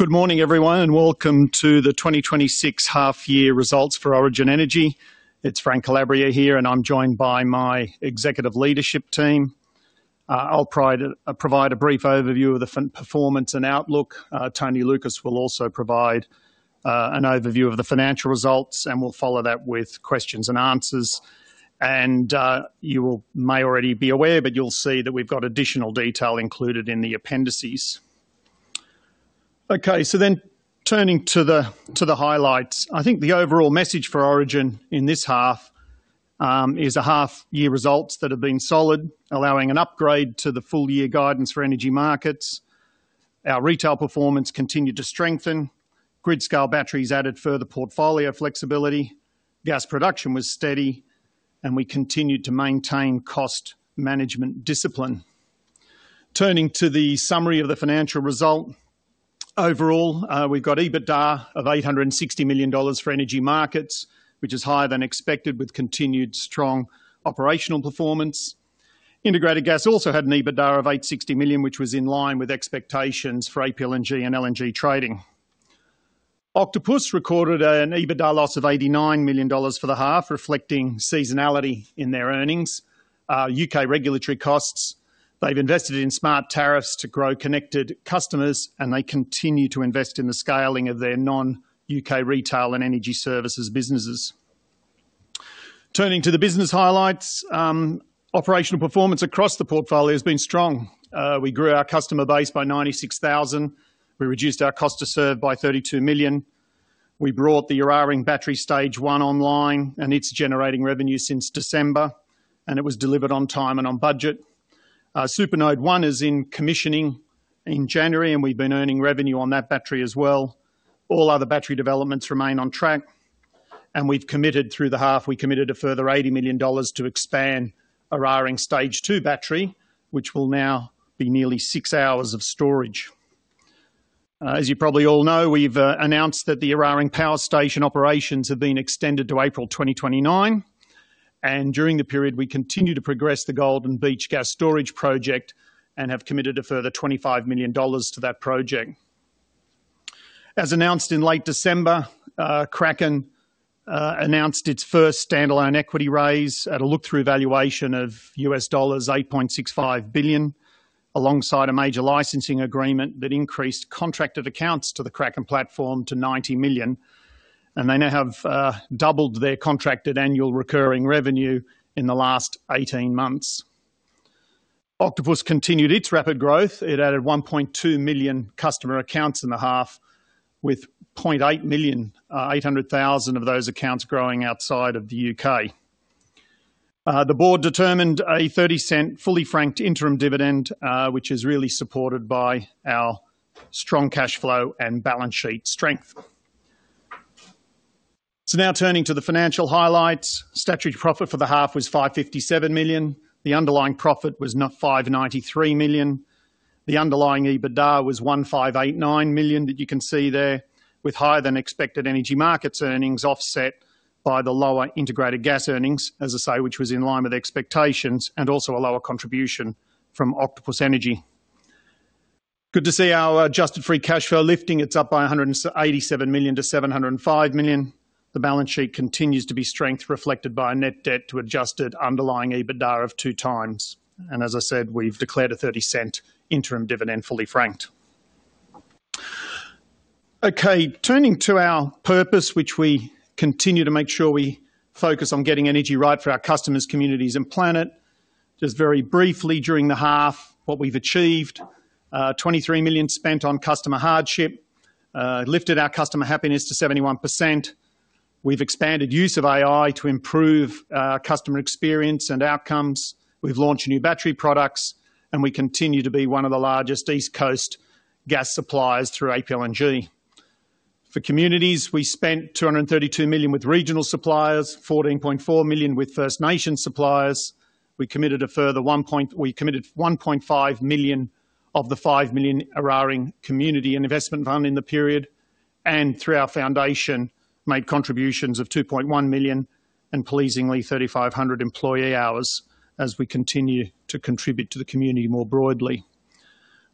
Good morning, everyone, and welcome to the 2026 Half-Year Results for Origin Energy. It's Frank Calabria here, and I'm joined by my Executive Leadership team. I'll provide a brief overview of the performance and outlook. Tony Lucas will also provide an overview of the financial results, and we'll follow that with questions and answers. You may already be aware, but you'll see that we've got additional detail included in the appendices. Okay, so then turning to the highlights, I think the overall message for Origin in this half is a half-year results that have been solid, allowing an upgrade to the full-year guidance for Energy Markets. Our retail performance continued to strengthen. Grid-scale batteries added further portfolio flexibility. Gas production was steady, and we continued to maintain cost management discipline. Turning to the summary of the financial result overall, we've got EBITDA of 860 million dollars for Energy Markets, which is higher than expected with continued strong operational performance. Integrated Gas also had an EBITDA of 860 million, which was in line with expectations for APLNG and LNG Trading. Octopus recorded an EBITDA loss of 89 million dollars for the half, reflecting seasonality in their earnings, U.K. regulatory costs. They've invested in smart tariffs to grow connected customers, and they continue to invest in the scaling of their non-U.K. retail and energy services businesses. Turning to the business highlights, operational performance across the portfolio has been strong. We grew our customer base by 96,000. We reduced our cost to serve by 32 million. We brought the Eraring battery Stage 1 online, and it's generating revenue since December, and it was delivered on time and on budget. Supernode One is in commissioning in January, and we've been earning revenue on that battery as well. All other battery developments remain on track, and we've committed through the half, we committed a further 80 million dollars to expand an Eraring Stage 2 battery, which will now be nearly six hours of storage. As you probably all know, we've announced that the Eraring Power Station operations have been extended to April 2029, and during the period, we continue to progress the Golden Beach gas storage project and have committed a further 25 million dollars to that project. As announced in late December, Kraken announced its first standalone equity raise at a look-through valuation of $8.65 billion, alongside a major licensing agreement that increased contracted accounts to the Kraken platform to 90 million, and they now have doubled their contracted annual recurring revenue in the last 18 months. Octopus continued its rapid growth. It added 1.2 million customer accounts in the half, with 0.8 million of those accounts growing outside of the U.K.. The board determined a 0.30 fully-franked interim dividend, which is really supported by our strong cash flow and balance sheet strength. Now turning to the financial highlights, statutory profit for the half was 557 million. The underlying profit was 593 million. The underlying EBITDA was 1,589 million that you can see there, with higher than expected energy markets earnings offset by the lower integrated gas earnings, as I say, which was in line with expectations and also a lower contribution from Octopus Energy. Good to see our adjusted free cash flow lifting. It's up by 187 million to 705 million. The balance sheet continues to be strong, reflected by a net debt to adjusted underlying EBITDA of 2x. As I said, we've declared an 0.30 interim dividend fully-franked. Okay, turning to our purpose, which we continue to make sure we focus on getting energy right for our customers, communities, and planet. Just very briefly during the half, what we've achieved: 23 million spent on customer hardship, lifted our customer happiness to 71%. We've expanded use of AI to improve customer experience and outcomes. We've launched new battery products, and we continue to be one of the largest East Coast gas suppliers through APLNG. For communities, we spent 232 million with regional suppliers, 14.4 million with First Nations suppliers. We committed a further 1.5 million of the 5 million Eraring Community Investment Fund in the period, and through our foundation, made contributions of 2.1 million and pleasingly 3,500 employee hours as we continue to contribute to the community more broadly.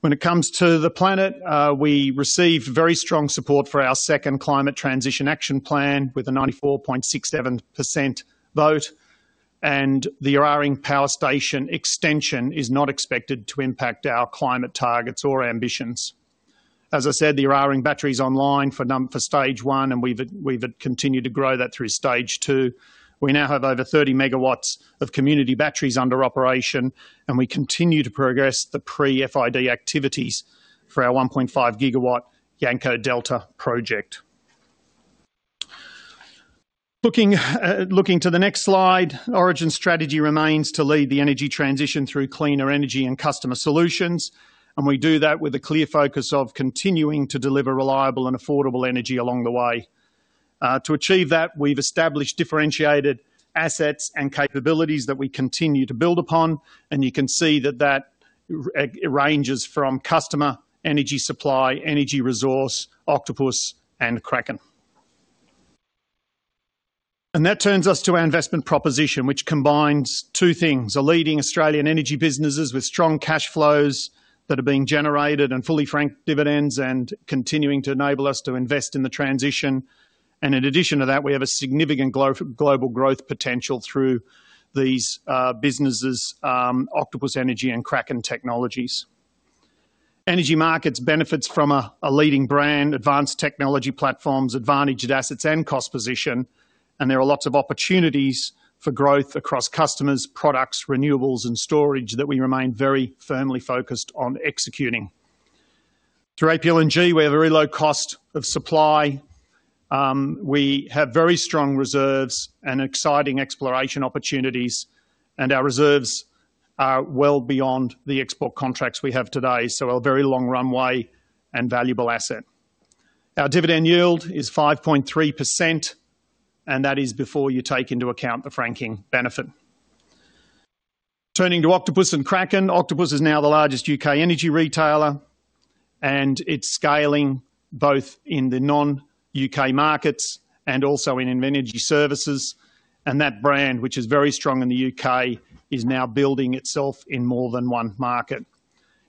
When it comes to the planet, we received very strong support for our second Climate Transition Action Plan with a 94.67% vote, and the Eraring power station extension is not expected to impact our climate targets or ambitions. As I said, the Eraring battery's online for Stage 1, and we've continued to grow that through Stage 2. We now have over 30 MW of community batteries under operation, and we continue to progress the pre-FID activities for our 1.5 GW Yanco Delta project. Looking to the next slide, Origin's strategy remains to lead the energy transition through cleaner energy and customer solutions, and we do that with a clear focus of continuing to deliver reliable and affordable energy along the way. To achieve that, we've established differentiated assets and capabilities that we continue to build upon, and you can see that that ranges from customer, energy supply, energy resource, Octopus, and Kraken. And that turns us to our investment proposition, which combines two things: a leading Australian energy businesses with strong cash flows that are being generated and fully-franked dividends and continuing to enable us to invest in the transition. And in addition to that, we have a significant global growth potential through these businesses, Octopus Energy and Kraken Technologies. Energy Markets benefits from a leading brand, advanced technology platforms, advantaged assets, and cost position, and there are lots of opportunities for growth across customers, products, renewables, and storage that we remain very firmly focused on executing. Through APLNG, we have a very low cost of supply. We have very strong reserves and exciting exploration opportunities, and our reserves are well beyond the export contracts we have today, so a very long runway and valuable asset. Our dividend yield is 5.3%, and that is before you take into account the franking benefit. Turning to Octopus and Kraken, Octopus is now the largest U.K. energy retailer, and it's scaling both in the non-U.K. markets and also in energy services. That brand, which is very strong in the U.K., is now building itself in more than one market.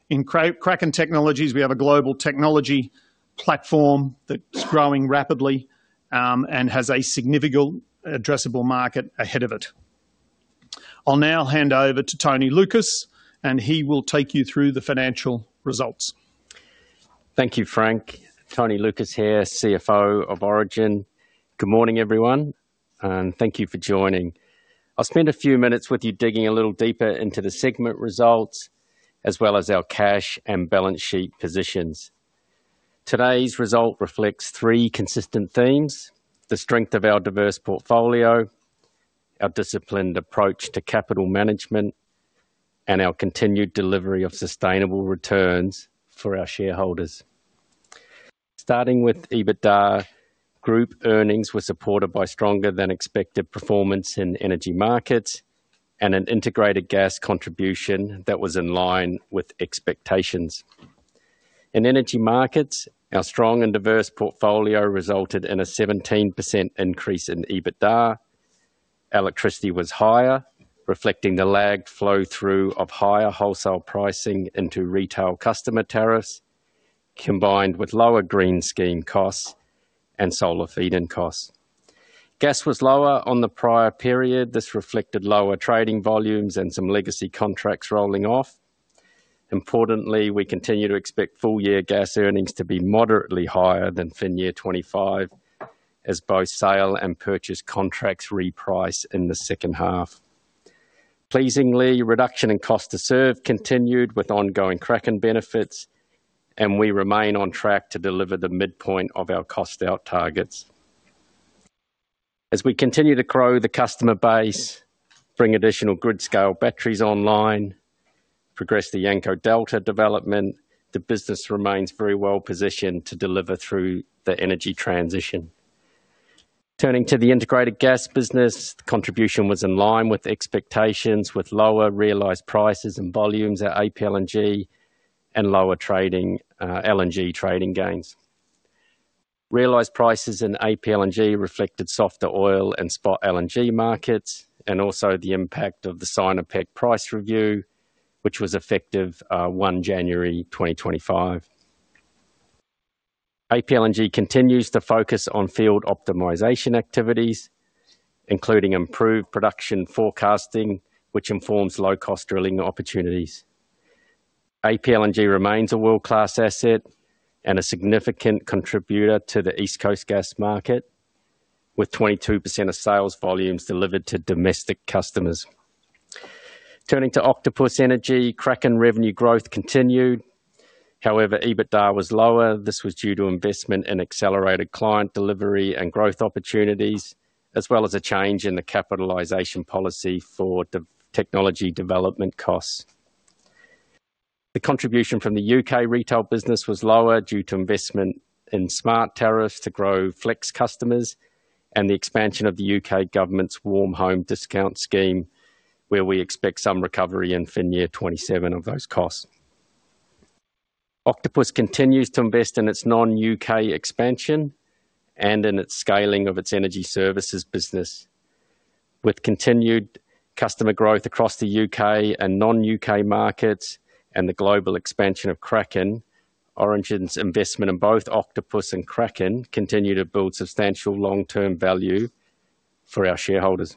In Kraken Technologies, we have a global technology platform that's growing rapidly and has a significant addressable market ahead of it. I'll now hand over to Tony Lucas, and he will take you through the financial results. Thank you, Frank. Tony Lucas here, CFO of Origin. Good morning, everyone, and thank you for joining. I'll spend a few minutes with you digging a little deeper into the segment results as well as our cash and balance sheet positions. Today's result reflects three consistent themes: the strength of our diverse portfolio, our disciplined approach to capital management, and our continued delivery of sustainable returns for our shareholders. Starting with EBITDA, group earnings were supported by stronger than expected performance in energy markets and an integrated gas contribution that was in line with expectations. In energy markets, our strong and diverse portfolio resulted in a 17% increase in EBITDA. Electricity was higher, reflecting the lagged flow-through of higher wholesale pricing into retail customer tariffs, combined with lower green scheme costs and solar feed-in costs. Gas was lower on the prior period. This reflected lower trading volumes and some legacy contracts rolling off. Importantly, we continue to expect full-year gas earnings to be moderately higher than FY 2025 as both sale and purchase contracts reprice in the second half. Pleasingly, reduction in cost to serve continued with ongoing Kraken benefits, and we remain on track to deliver the midpoint of our cost-out targets. As we continue to grow the customer base, bring additional grid-scale batteries online, progress the Yanco Delta development, the business remains very well positioned to deliver through the energy transition. Turning to the integrated gas business, the contribution was in line with expectations, with lower realized prices and volumes at APLNG and lower LNG trading gains. Realized prices in APLNG reflected softer oil and spot LNG markets and also the impact of the Sinopec price review, which was effective 1 January 2025. APLNG continues to focus on field optimization activities, including improved production forecasting, which informs low-cost drilling opportunities. APLNG remains a world-class asset and a significant contributor to the East Coast gas market, with 22% of sales volumes delivered to domestic customers. Turning to Octopus Energy, Kraken revenue growth continued. However, EBITDA was lower. This was due to investment in accelerated client delivery and growth opportunities, as well as a change in the capitalisation policy for technology development costs. The contribution from the U.K. retail business was lower due to investment in smart tariffs to grow flex customers and the expansion of the U.K. government's Warm Home Discount scheme, where we expect some recovery in financial year 2027 of those costs. Octopus continues to invest in its non-U.K. expansion and in its scaling of its energy services business. With continued customer growth across the U.K. and non-U.K. markets and the global expansion of Kraken, Origin's investment in both Octopus and Kraken continued to build substantial long-term value for our shareholders.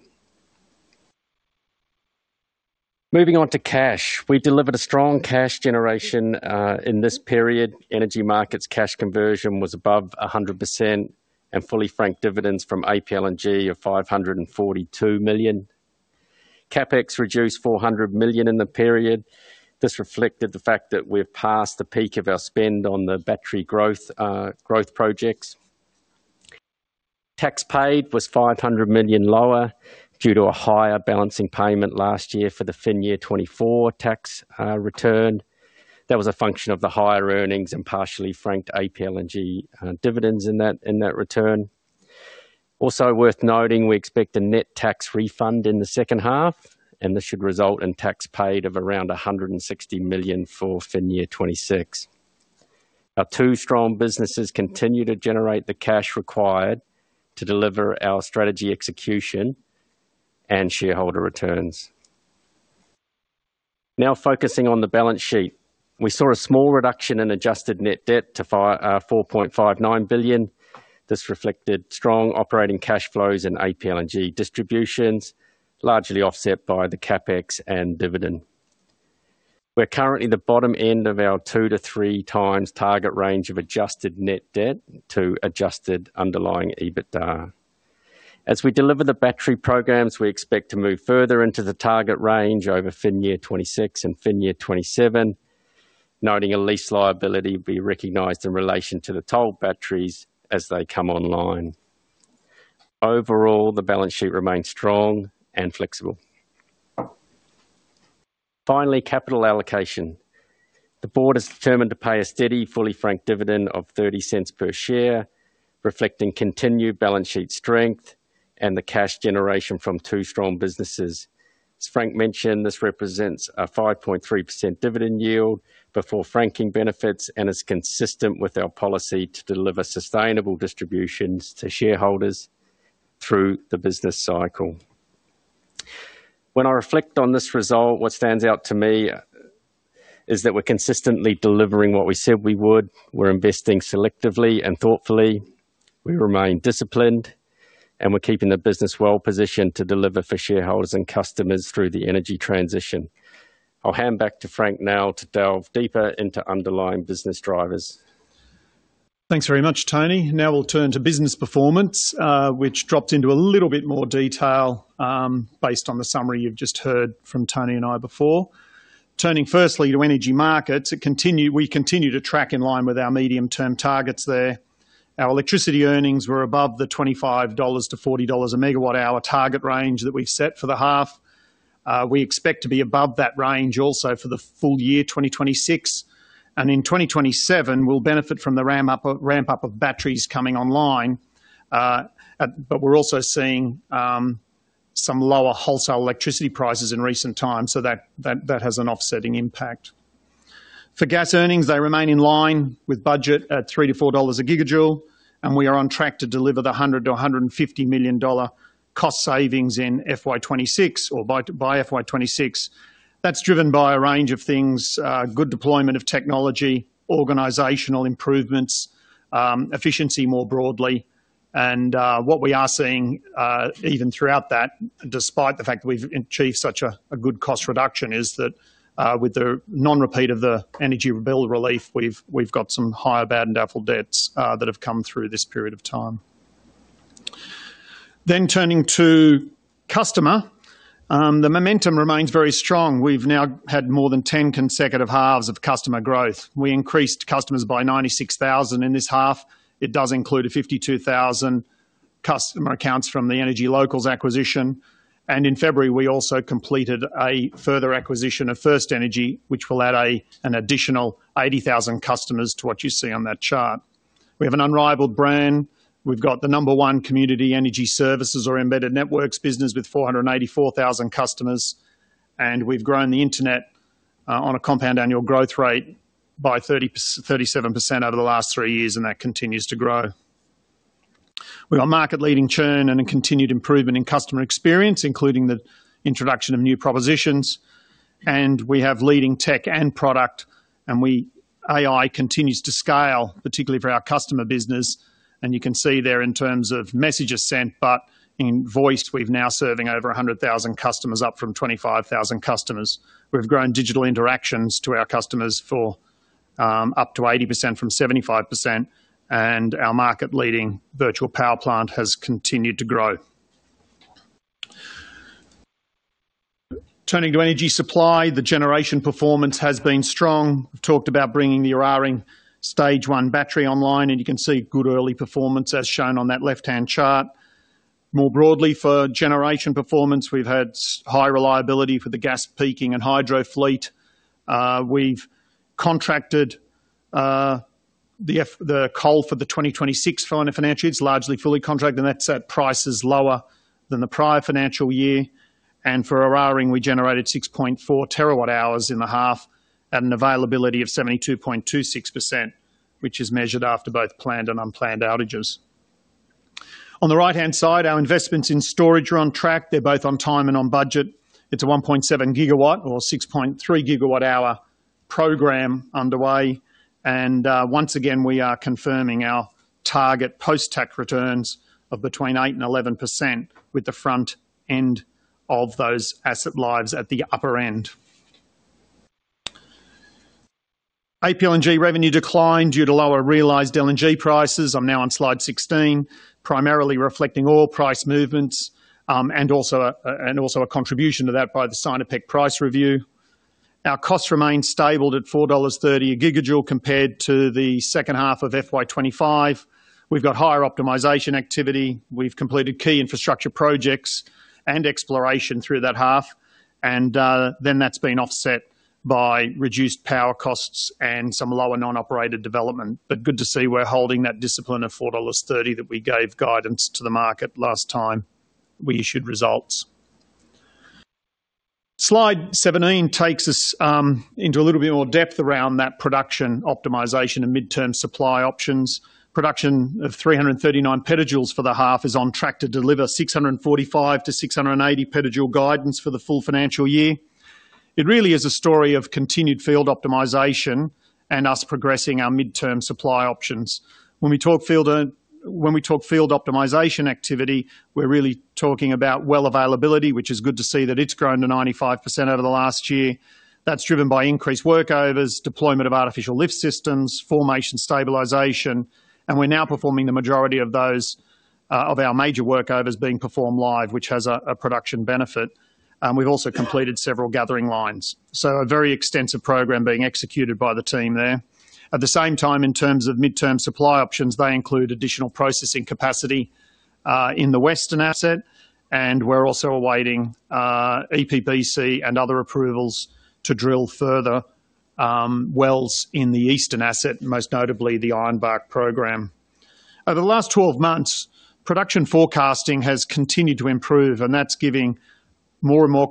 Moving on to cash, we delivered a strong cash generation in this period. Energy markets cash conversion was above 100% and fully-franked dividends from APLNG of 542 million. CapEx reduced 400 million in the period. This reflected the fact that we've passed the peak of our spend on the battery growth projects. Tax paid was 500 million lower due to a higher balancing payment last year for the fin year 2024 tax return. That was a function of the higher earnings and partially-franked APLNG dividends in that return. Also worth noting, we expect a net tax refund in the second half, and this should result in tax paid of around 160 million for fin year 2026. Our two strong businesses continue to generate the cash required to deliver our strategy execution and shareholder returns. Now focusing on the balance sheet, we saw a small reduction in adjusted net debt to 4.59 billion. This reflected strong operating cash flows in APLNG distributions, largely offset by the CapEx and dividend. We're currently at the bottom end of our 2x-3x target range of adjusted net debt to adjusted underlying EBITDA. As we deliver the battery programs, we expect to move further into the target range over FY 2026 and FY 2027, noting a lease liability will be recognized in relation to the toll batteries as they come online. Overall, the balance sheet remains strong and flexible. Finally, capital allocation. The board has determined to pay a steady, fully-franked dividend of 0.30 per share, reflecting continued balance sheet strength and the cash generation from two strong businesses. As Frank mentioned, this represents a 5.3% dividend yield before franking benefits and is consistent with our policy to deliver sustainable distributions to shareholders through the business cycle. When I reflect on this result, what stands out to me is that we're consistently delivering what we said we would. We're investing selectively and thoughtfully. We remain disciplined, and we're keeping the business well positioned to deliver for shareholders and customers through the energy transition. I'll hand back to Frank now to delve deeper into underlying business drivers. Thanks very much, Tony. Now we'll turn to business performance, which dropped into a little bit more detail based on the summary you've just heard from Tony and I before. Turning firstly to energy markets, we continue to track in line with our medium-term targets there. Our electricity earnings were above the AUD 25-$40/MWh target range that we've set for the half. We expect to be above that range also for the full year 2026. And in 2027, we'll benefit from the ramp-up of batteries coming online, but we're also seeing some lower wholesale electricity prices in recent times, so that has an offsetting impact. For gas earnings, they remain in line with budget at AUD 3-$4/GJ, and we are on track to deliver the 100 million-$150 million cost savings in FY26 or by FY26. That's driven by a range of things: good deployment of technology, organizational improvements, efficiency more broadly. And what we are seeing even throughout that, despite the fact that we've achieved such a good cost reduction, is that with the non-repeat of the energy bill relief, we've got some higher bad and doubtfuls that have come through this period of time. Then turning to customers, the momentum remains very strong. We've now had more than 10 consecutive halves of customer growth. We increased customers by 96,000 in this half. It does include 52,000 customer accounts from the Energy Locals acquisition. And in February, we also completed a further acquisition of FirstEnergy, which will add an additional 80,000 customers to what you see on that chart. We have an unrivaled brand. We've got the number one community energy services or embedded networks business with 484,000 customers. We've grown the internet on a compound annual growth rate by 37% over the last three years, and that continues to grow. We have a market-leading churn and a continued improvement in customer experience, including the introduction of new propositions. We have leading tech and product, and AI continues to scale, particularly for our customer business. You can see there in terms of messages sent, but in voice, we've now serving over 100,000 customers, up from 25,000 customers. We've grown digital interactions to our customers for up to 80% from 75%, and our market-leading virtual power plant has continued to grow. Turning to energy supply, the generation performance has been strong. We've talked about bringing the Eraring Stage 1 battery online, and you can see good early performance as shown on that left-hand chart. More broadly, for generation performance, we've had high reliability for the gas peaking and hydro fleet. We've contracted the coal for the 2026 financial year. It's largely fully contracted, and that's at prices lower than the prior financial year. For Eraring, we generated 6.4 TWh in the half at an availability of 72.26%, which is measured after both planned and unplanned outages. On the right-hand side, our investments in storage are on track. They're both on time and on budget. It's a 1.7 GW or 6.3 GWh program underway. And once again, we are confirming our target post-tax returns of between 8% and 11% with the front end of those asset lives at the upper end. APLNG revenue declined due to lower realized LNG prices. I'm now on slide 16, primarily reflecting oil price movements and also a contribution to that by the Sinopec price review. Our cost remains stable at 4.30 dollars a gigajoule compared to the second half of FY25. We've got higher optimization activity. We've completed key infrastructure projects and exploration through that half. And then that's been offset by reduced power costs and some lower non-operated development. Good to see we're holding that discipline of 4.30 dollars that we gave guidance to the market last time we issued results. Slide 17 takes us into a little bit more depth around that production optimization and midterm supply options. Production of 339PJ for the half is on track to deliver 645PJ-680PJ guidance for the full financial year. It really is a story of continued field optimization and us progressing our midterm supply options. When we talk field optimization activity, we're really talking about well availability, which is good to see that it's grown to 95% over the last year. That's driven by increased workovers, deployment of artificial lift systems, formation stabilization. We're now performing the majority of our major workovers being performed live, which has a production benefit. We've also completed several gathering lines, so a very extensive program being executed by the team there. At the same time, in terms of midterm supply options, they include additional processing capacity in the western asset, and we're also awaiting EPBC and other approvals to drill further wells in the eastern asset, most notably the Ironbark program. Over the last 12 months, production forecasting has continued to improve, and that's giving more and more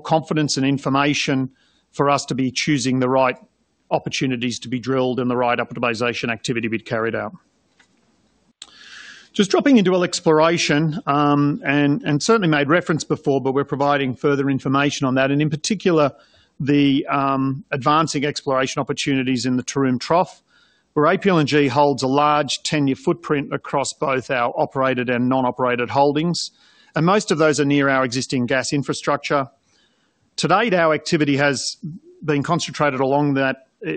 confidence and information for us to be choosing the right opportunities to be drilled and the right optimization activity to be carried out. Just dropping into exploration, and certainly made reference before, but we're providing further information on that. In particular, the advancing exploration opportunities in the Taroom Trough, where APLNG holds a large 10-year footprint across both our operated and non-operated holdings. Most of those are near our existing gas infrastructure. To date, our activity has been concentrated along the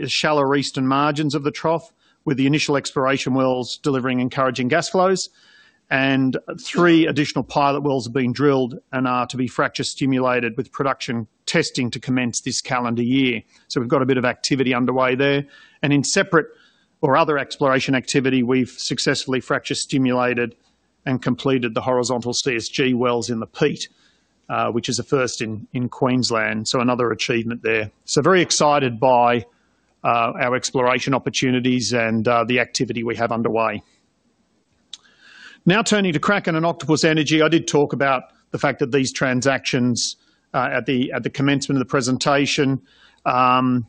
shallow eastern margins of the trough, with the initial exploration wells delivering encouraging gas flows. Three additional pilot wells have been drilled and are to be fracture stimulated with production testing to commence this calendar year. So we've got a bit of activity underway there. In separate or other exploration activity, we've successfully fracture stimulated and completed the horizontal CSG wells in the Peat, which is the first in Queensland. So another achievement there. Very excited by our exploration opportunities and the activity we have underway. Now turning to Kraken and Octopus Energy, I did talk about the fact that these transactions at the commencement of the presentation, the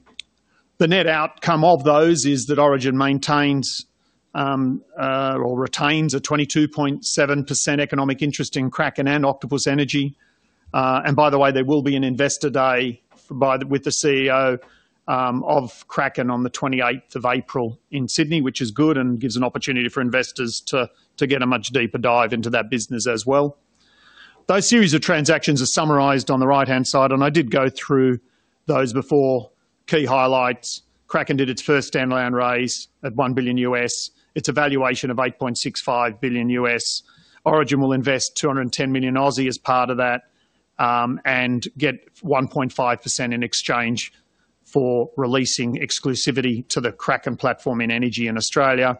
net outcome of those is that Origin maintains or retains a 22.7% economic interest in Kraken and Octopus Energy. And by the way, there will be an investor day with the CEO of Kraken on the 28th of April in Sydney, which is good and gives an opportunity for investors to get a much deeper dive into that business as well. Those series of transactions are summarized on the right-hand side, and I did go through those before. Key highlights: Kraken did its first standalone raise at $1 billion. It's a valuation of $8.65 billion. Origin will invest 210 million as part of that and get 1.5% in exchange for releasing exclusivity to the Kraken platform in energy in Australia.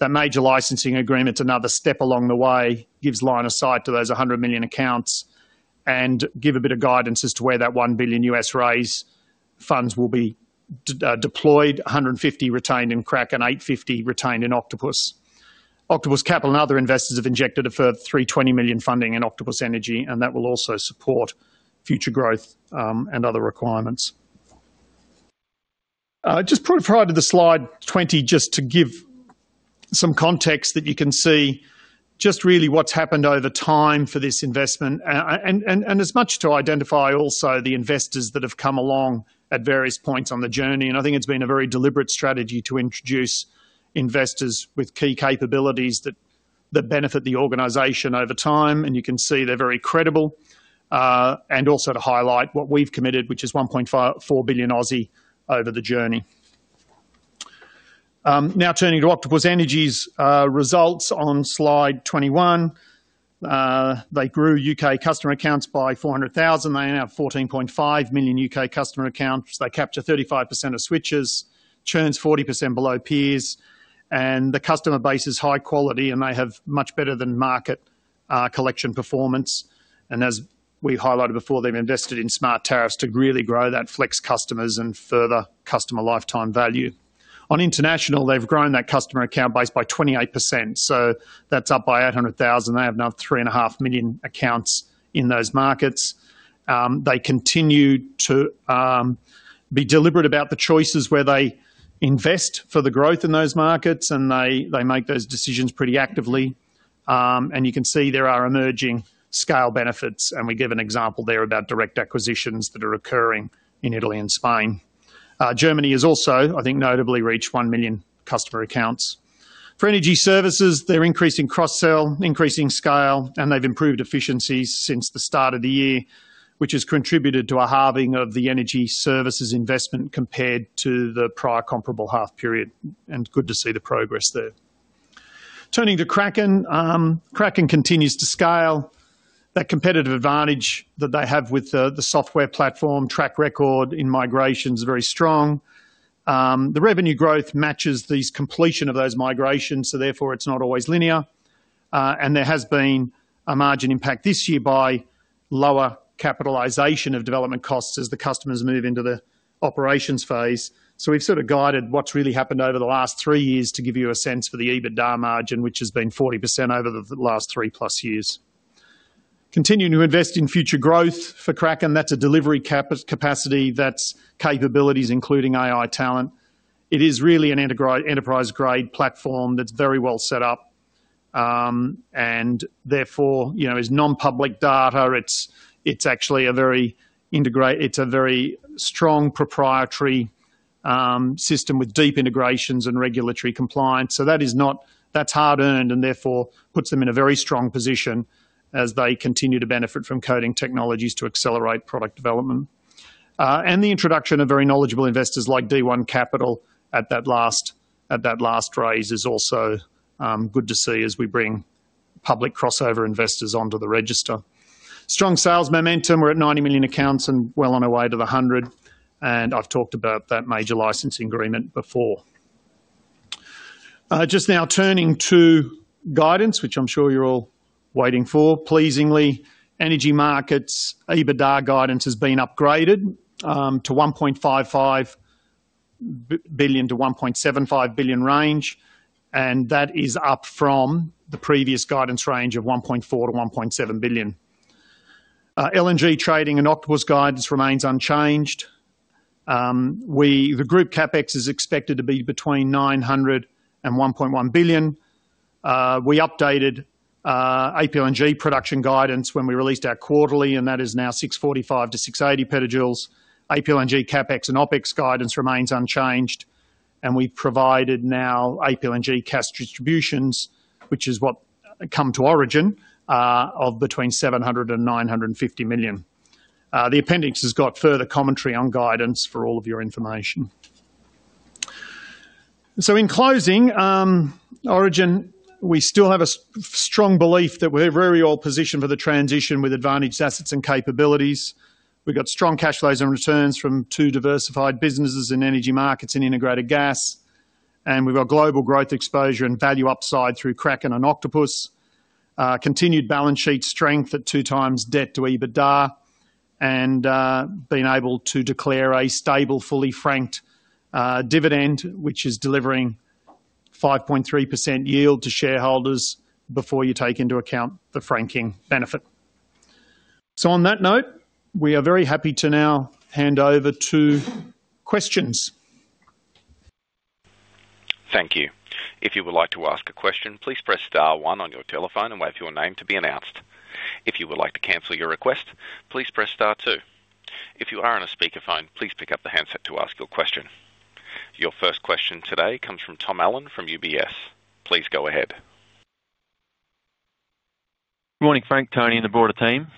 That major licensing agreement, another step along the way, gives line of sight to those 100 million accounts and gives a bit of guidance as to where that $1 billion raise funds will be deployed: $150 million retained in Kraken and $850 million retained in Octopus. Octopus Capital and other investors have injected a further $320 million funding in Octopus Energy, and that will also support future growth and other requirements. Just prior to the Slide 20, just to give some context that you can see just really what's happened over time for this investment and as much to identify also the investors that have come along at various points on the journey. And I think it's been a very deliberate strategy to introduce investors with key capabilities that benefit the organization over time. And you can see they're very credible. Also to highlight what we've committed, which is 1.4 billion over the journey. Now turning to Octopus Energy's results on slide 21. They grew U.K. customer accounts by 400,000. They now have 14.5 million U.K. customer accounts. They capture 35% of switches, churns 40% below peers, and the customer base is high quality, and they have much better than market collection performance. As we've highlighted before, they've invested in smart tariffs to really grow that flex customers and further customer lifetime value. On international, they've grown that customer account base by 28%. So that's up by 800,000. They have now 3.5 million accounts in those markets. They continue to be deliberate about the choices where they invest for the growth in those markets, and they make those decisions pretty actively. You can see there are emerging scale benefits. We give an example there about direct acquisitions that are occurring in Italy and Spain. Germany has also, I think, notably reached 1 million customer accounts. For energy services, they're increasing cross-sale, increasing scale, and they've improved efficiencies since the start of the year, which has contributed to a halving of the energy services investment compared to the prior comparable half period. Good to see the progress there. Turning to Kraken, Kraken continues to scale. That competitive advantage that they have with the software platform track record in migrations is very strong. The revenue growth matches the completion of those migrations, so therefore, it's not always linear. And there has been a margin impact this year by lower capitalization of development costs as the customers move into the operations phase. We've sort of guided what's really happened over the last three years to give you a sense for the EBITDA margin, which has been 40% over the last 3+ years. Continuing to invest in future growth for Kraken, that's a delivery capacity that's capabilities, including AI talent. It is really an enterprise-grade platform that's very well set up. And therefore, it's non-public data. It's actually a very strong proprietary system with deep integrations and regulatory compliance. So that's hard-earned and therefore puts them in a very strong position as they continue to benefit from coding technologies to accelerate product development. And the introduction of very knowledgeable investors like D1 Capital at that last raise is also good to see as we bring public crossover investors onto the register. Strong sales momentum. We're at 90 million accounts and well on our way to the 100. I've talked about that major licensing agreement before. Just now turning to guidance, which I'm sure you're all waiting for. Pleasingly, Energy Markets EBITDA guidance has been upgraded to 1.55 billion to 1.75 billion range. That is up from the previous guidance range of 1.4 billion to 1.7 billion. LNG Trading and Octopus guidance remains unchanged. The group CapEx is expected to be between 900 million and 1.1 billion. We updated APLNG production guidance when we released our quarterly, and that is now 645PJ-680PJ. APLNG CapEx and OpEx guidance remains unchanged. We provided now APLNG cash distributions, which has come to Origin of between 700 million and 950 million. The appendix has got further commentary on guidance for all of your information. In closing, Origin, we still have a strong belief that we're very well positioned for the transition with advantaged assets and capabilities. We've got strong cash flows and returns from two diversified businesses in energy markets and integrated gas. We've got global growth exposure and value upside through Kraken and Octopus. Continued balance sheet strength at 2x debt to EBITDA and been able to declare a stable, fully-franked dividend, which is delivering 5.3% yield to shareholders before you take into account the franking benefit. So on that note, we are very happy to now hand over to questions. Thank you. If you would like to ask a question, please press star one on your telephone and state your name to be announced. If you would like to cancel your request, please press star two. If you are on a speakerphone, please pick up the handset to ask your question. Your first question today comes from Tom Allen from UBS. Please go ahead. Good morning, Frank. Tony and the broader team.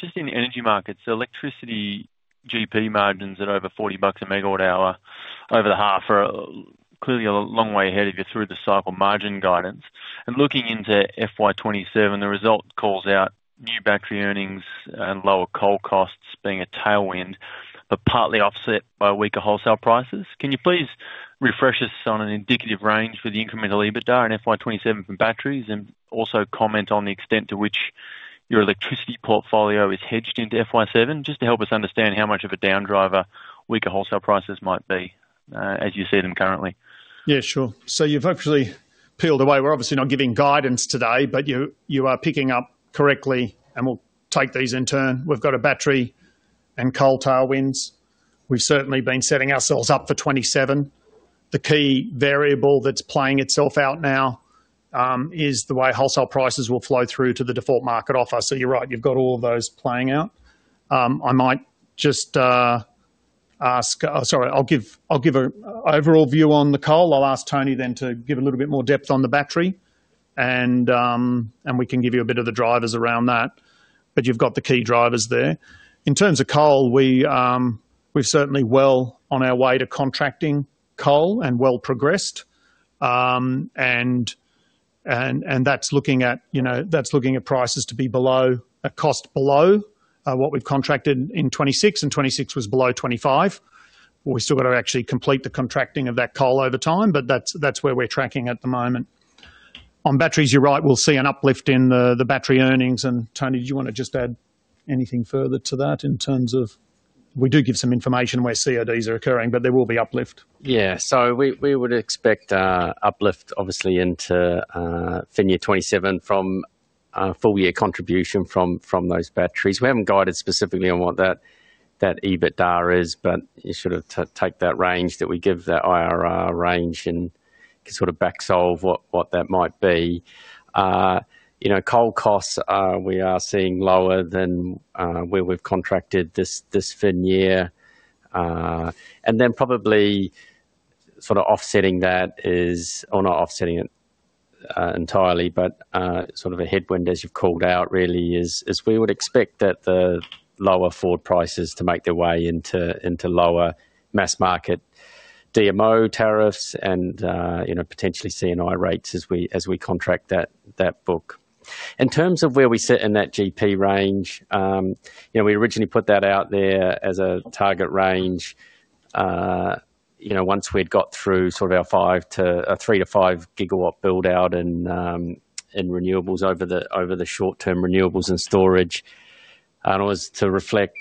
Just in energy markets, electricity GP margins at over 40 bucks per MWh over the half are clearly a long way ahead of your through-the-cycle margin guidance. Looking into FY27, the result calls out new battery earnings and lower coal costs being a tailwind but partly offset by weaker wholesale prices. Can you please refresh us on an indicative range for the incremental EBITDA in FY27 for batteries and also comment on the extent to which your electricity portfolio is hedged into FY27 just to help us understand how much of a downdriver weaker wholesale prices might be as you see them currently? Yeah, sure. So you've obviously peeled away. We're obviously not giving guidance today, but you are picking up correctly, and we'll take these in turn. We've got a battery and coal tailwinds. We've certainly been setting ourselves up for 2027. The key variable that's playing itself out now is the way wholesale prices will flow through to the default market offer. So you're right. You've got all of those playing out. I might just ask, sorry, I'll give an overall view on the coal. I'll ask Tony then to give a little bit more depth on the battery, and we can give you a bit of the drivers around that. But you've got the key drivers there. In terms of coal, we're certainly well on our way to contracting coal and well progressed. That's looking at prices to be below a cost below what we've contracted in 2026, and 2026 was below 2025. We've still got to actually complete the contracting of that coal over time, but that's where we're tracking at the moment. On batteries, you're right. We'll see an uplift in the battery earnings. And Tony, did you want to just add anything further to that in terms of we do give some information where CODs are occurring, but there will be uplift. Yeah. So we would expect uplift, obviously, into fin year 2027 from full-year contribution from those batteries. We haven't guided specifically on what that EBITDA is, but you should take that range that we give, the IRR range, and can sort of backsolve what that might be. Coal costs, we are seeing lower than where we've contracted this fin year. And then probably sort of offsetting that is or not offsetting it entirely, but sort of a headwind, as you've called out, really is we would expect that the lower forward prices to make their way into lower mass market DMO tariffs and potentially C&I rates as we contract that book. In terms of where we sit in that GP range, we originally put that out there as a target range once we'd got through sort of our 3-5 gigawatt buildout in renewables over the short-term renewables and storage. And it was to reflect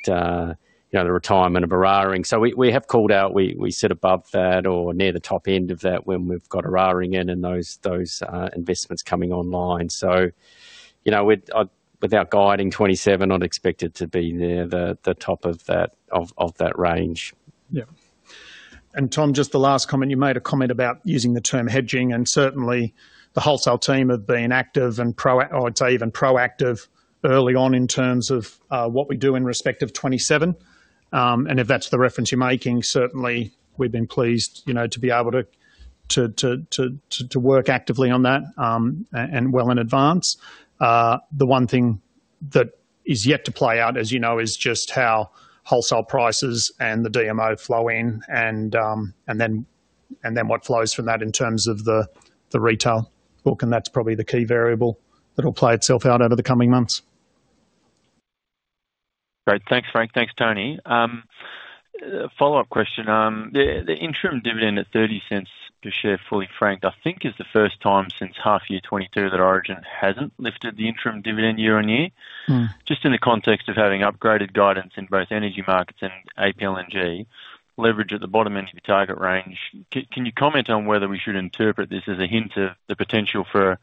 the retirement of our Eraring. So we have called out we sit above that or near the top end of that when we've got an Eraring in and those investments coming online. So without guiding 2027, I'd expect it to be there, the top of that range. Yeah. And Tom, just the last comment. You made a comment about using the term hedging. And certainly, the wholesale team have been active and proactive early on in terms of what we do in respect of 2027. And if that's the reference you're making, certainly, we've been pleased to be able to work actively on that and well in advance. The one thing that is yet to play out, as you know, is just how wholesale prices and the DMO flow in and then what flows from that in terms of the retail book. And that's probably the key variable that'll play itself out over the coming months. Great. Thanks, Frank. Thanks, Tony. Follow-up question. The interim dividend at 0.30 per share fully franked, I think, is the first time since half year 2022 that Origin hasn't lifted the interim dividend year-on-year. Just in the context of having upgraded guidance in both energy markets and APLNG, leverage at the bottom end of your target range, can you comment on whether we should interpret this as a hint of the potential for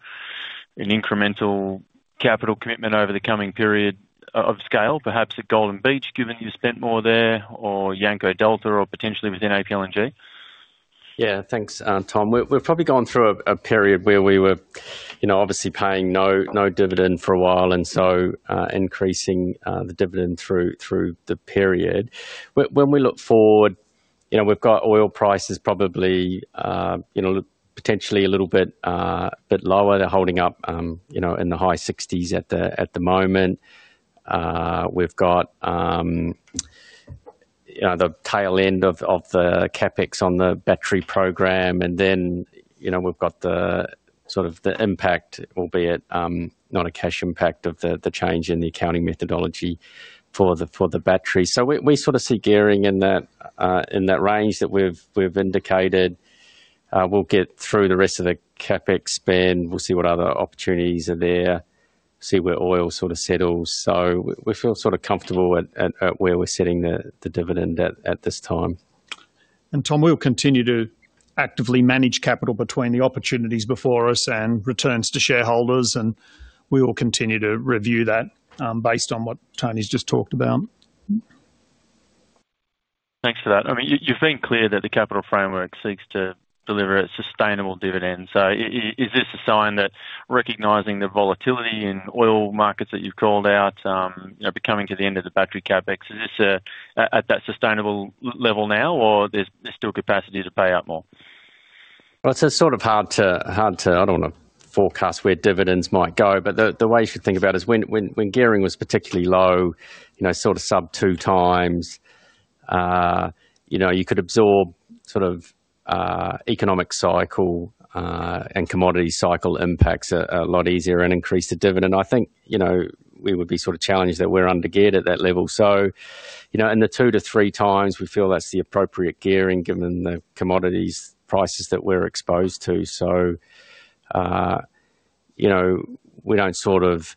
an incremental capital commitment over the coming period of scale, perhaps at Golden Beach, given you've spent more there, or Yanco Delta, or potentially within APLNG? Yeah. Thanks, Tom. We've probably gone through a period where we were obviously paying no dividend for a while and so increasing the dividend through the period. When we look forward, we've got oil prices probably potentially a little bit lower. They're holding up in the high 60s at the moment. We've got the tail end of the CapEx on the battery program. And then we've got sort of the impact, albeit not a cash impact, of the change in the accounting methodology for the battery. So we sort of see gearing in that range that we've indicated. We'll get through the rest of the CapEx span. We'll see what other opportunities are there. See where oil sort of settles. So we feel sort of comfortable at where we're setting the dividend at this time. Tom, we'll continue to actively manage capital between the opportunities before us and returns to shareholders. We will continue to review that based on what Tony's just talked about. Thanks for that. I mean, you've been clear that the capital framework seeks to deliver a sustainable dividend. So is this a sign that recognizing the volatility in oil markets that you've called out, coming to the end of the battery CapEx, is this at that sustainable level now, or there's still capacity to pay up more? Well, it's sort of hard to. I don't want to forecast where dividends might go. But the way you should think about it is when gearing was particularly low, sort of sub 2x, you could absorb sort of economic cycle and commodity cycle impacts a lot easier and increase the dividend. I think we would be sort of challenged that we're undergeared at that level. In the 2x-3x, we feel that's the appropriate gearing given the commodities prices that we're exposed to. So we don't sort of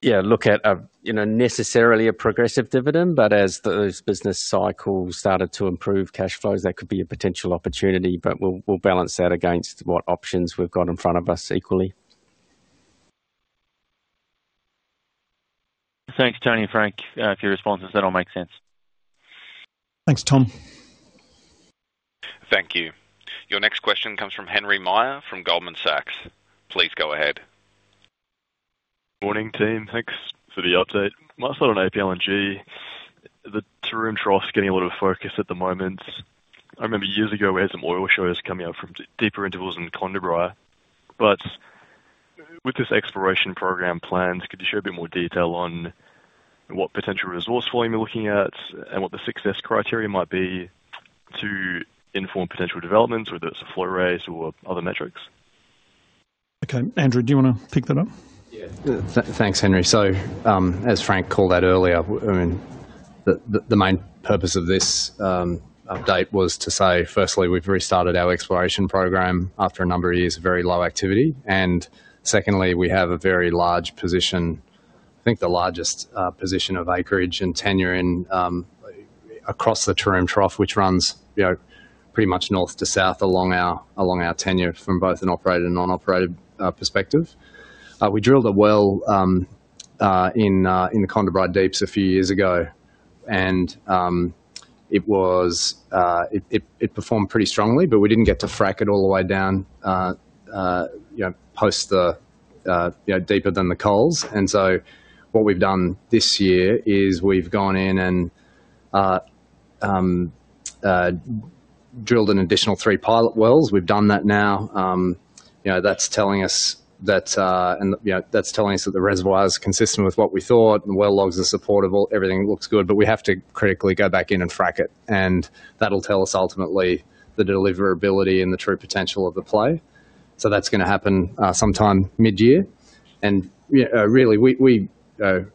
yeah, look at necessarily a progressive dividend. But as those business cycles started to improve cash flows, that could be a potential opportunity. But we'll balance that against what options we've got in front of us equally. Thanks, Tony and Frank. If your response is that, all makes sense. Thanks, Tom. Thank you. Your next question comes from Henry Meyer from Goldman Sachs. Please go ahead. Morning, team. Thanks for the update. Myself on APLNG, the Taroom Trough getting a lot of focus at the moment. I remember years ago, we had some oil shows coming out from deeper intervals in Condamine. But with this exploration program plans, could you show a bit more detail on what potential resource volume you're looking at and what the success criteria might be to inform potential developments, whether it's a flow rate or other metrics? Okay. Andrew, do you want to pick that up? Yeah. Thanks, Henry. So as Frank called out earlier, I mean, the main purpose of this update was to say, firstly, we've restarted our exploration program after a number of years of very low activity. And secondly, we have a very large position, I think the largest position of acreage and tenure across the Taroom Trough, which runs pretty much north to south along our tenure from both an operated and non-operated perspective. We drilled a well in the Condamine deeps a few years ago. And it performed pretty strongly, but we didn't get to frack it all the way down post the deeper than the coals. And so what we've done this year is we've gone in and drilled an additional three pilot wells. We've done that now. That's telling us that and that's telling us that the reservoir is consistent with what we thought, and well logs are supportable. Everything looks good. But we have to critically go back in and frack it. And that'll tell us ultimately the deliverability and the true potential of the play. So that's going to happen sometime mid-year. And really, we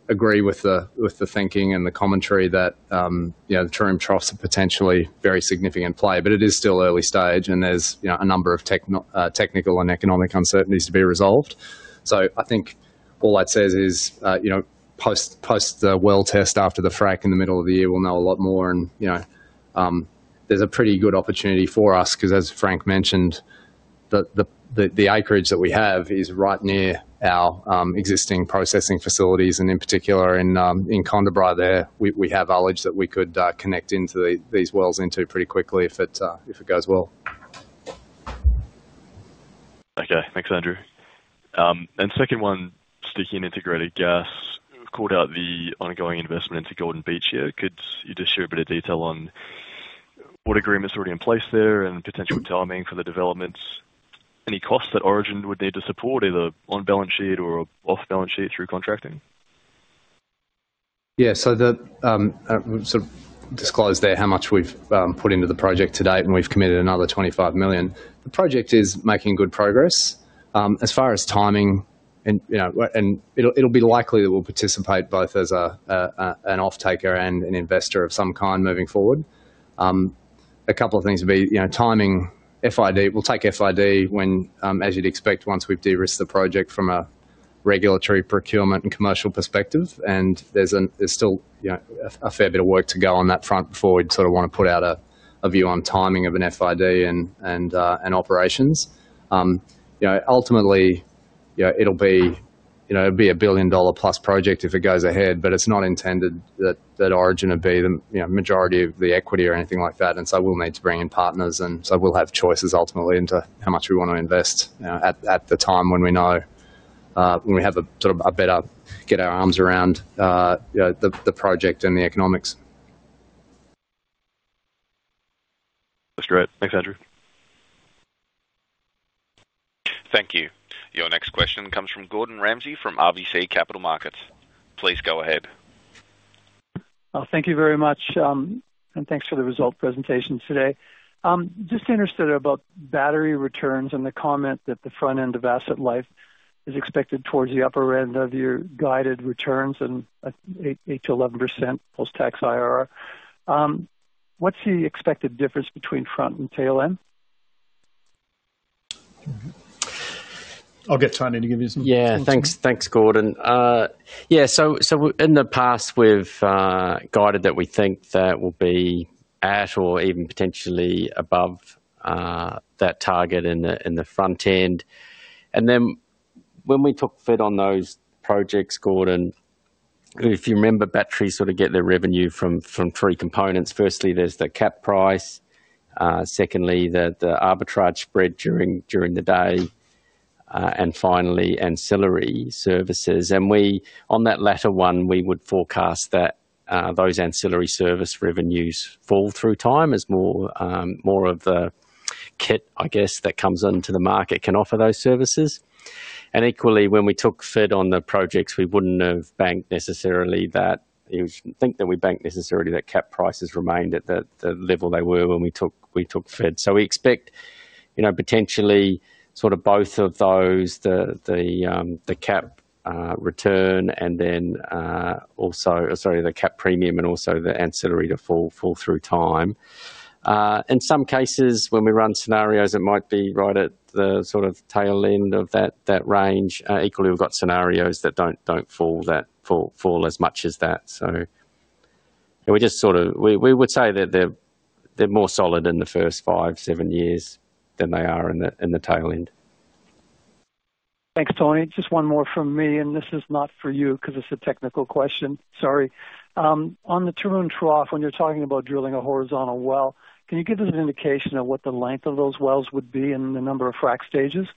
agree with the thinking and the commentary that the Taroom Troughs are potentially a very significant play. But it is still early stage, and there's a number of technical and economic uncertainties to be resolved. So I think all that says is post the well test after the frack in the middle of the year, we'll know a lot more. And there's a pretty good opportunity for us because, as Frank mentioned, the acreage that we have is right near our existing processing facilities. In particular, in Condamine, there, we have knowledge that we could connect these wells into pretty quickly if it goes well. Okay. Thanks, Andrew. And second one, sticking integrated gas, we've called out the ongoing investment into Golden Beach here. Could you just share a bit of detail on what agreement's already in place there and potential timing for the developments? Any costs that Origin would need to support either on balance sheet or off balance sheet through contracting? Yeah. So sort of disclose there how much we've put into the project to date, and we've committed another 25 million. The project is making good progress as far as timing. And it'll be likely that we'll participate both as an offtaker and an investor of some kind moving forward. A couple of things would be timing. We'll take FID as you'd expect once we've de-risked the project from a regulatory procurement and commercial perspective. And there's still a fair bit of work to go on that front before we'd sort of want to put out a view on timing of an FID and operations. Ultimately, it'll be an 1 billion dollar+ project if it goes ahead. But it's not intended that Origin would be the majority of the equity or anything like that. And so we'll need to bring in partners. And so we'll have choices ultimately into how much we want to invest at the time when we know when we have sort of a better get our arms around the project and the economics. That's great. Thanks, Andrew. Thank you. Your next question comes from Gordon Ramsay from RBC Capital Markets. Please go ahead. Thank you very much. Thanks for the result presentation today. Just interested about battery returns and the comment that the front end of asset life is expected towards the upper end of your guided returns and 8%-11% post-tax IRR. What's the expected difference between front and tail end? I'll get Tony to give you some questions. Yeah. Thanks, Gordon. Yeah. So in the past, we've guided that we think that will be at or even potentially above that target in the front end. And then when we took FID on those projects, Gordon, if you remember, batteries sort of get their revenue from three components. Firstly, there's the cap price. Secondly, the arbitrage spread during the day. And finally, ancillary services. And on that latter one, we would forecast that those ancillary service revenues fall through time as more of the kit, I guess, that comes into the market can offer those services. And equally, when we took FID on the projects, we wouldn't have banked necessarily that we think that we banked necessarily that cap prices remained at the level they were when we took FID. So we expect potentially sort of both of those, the cap return and then also sorry, the cap premium and also the ancillary to fall through time. In some cases, when we run scenarios, it might be right at the sort of tail end of that range. Equally, we've got scenarios that don't fall as much as that. So we just sort of would say that they're more solid in the first five, seven years than they are in the tail end. Thanks, Tony. Just one more from me. This is not for you because it's a technical question. Sorry. On the Taroom Trough, when you're talking about drilling a horizontal well, can you give us an indication of what the length of those wells would be and the number of frack stages?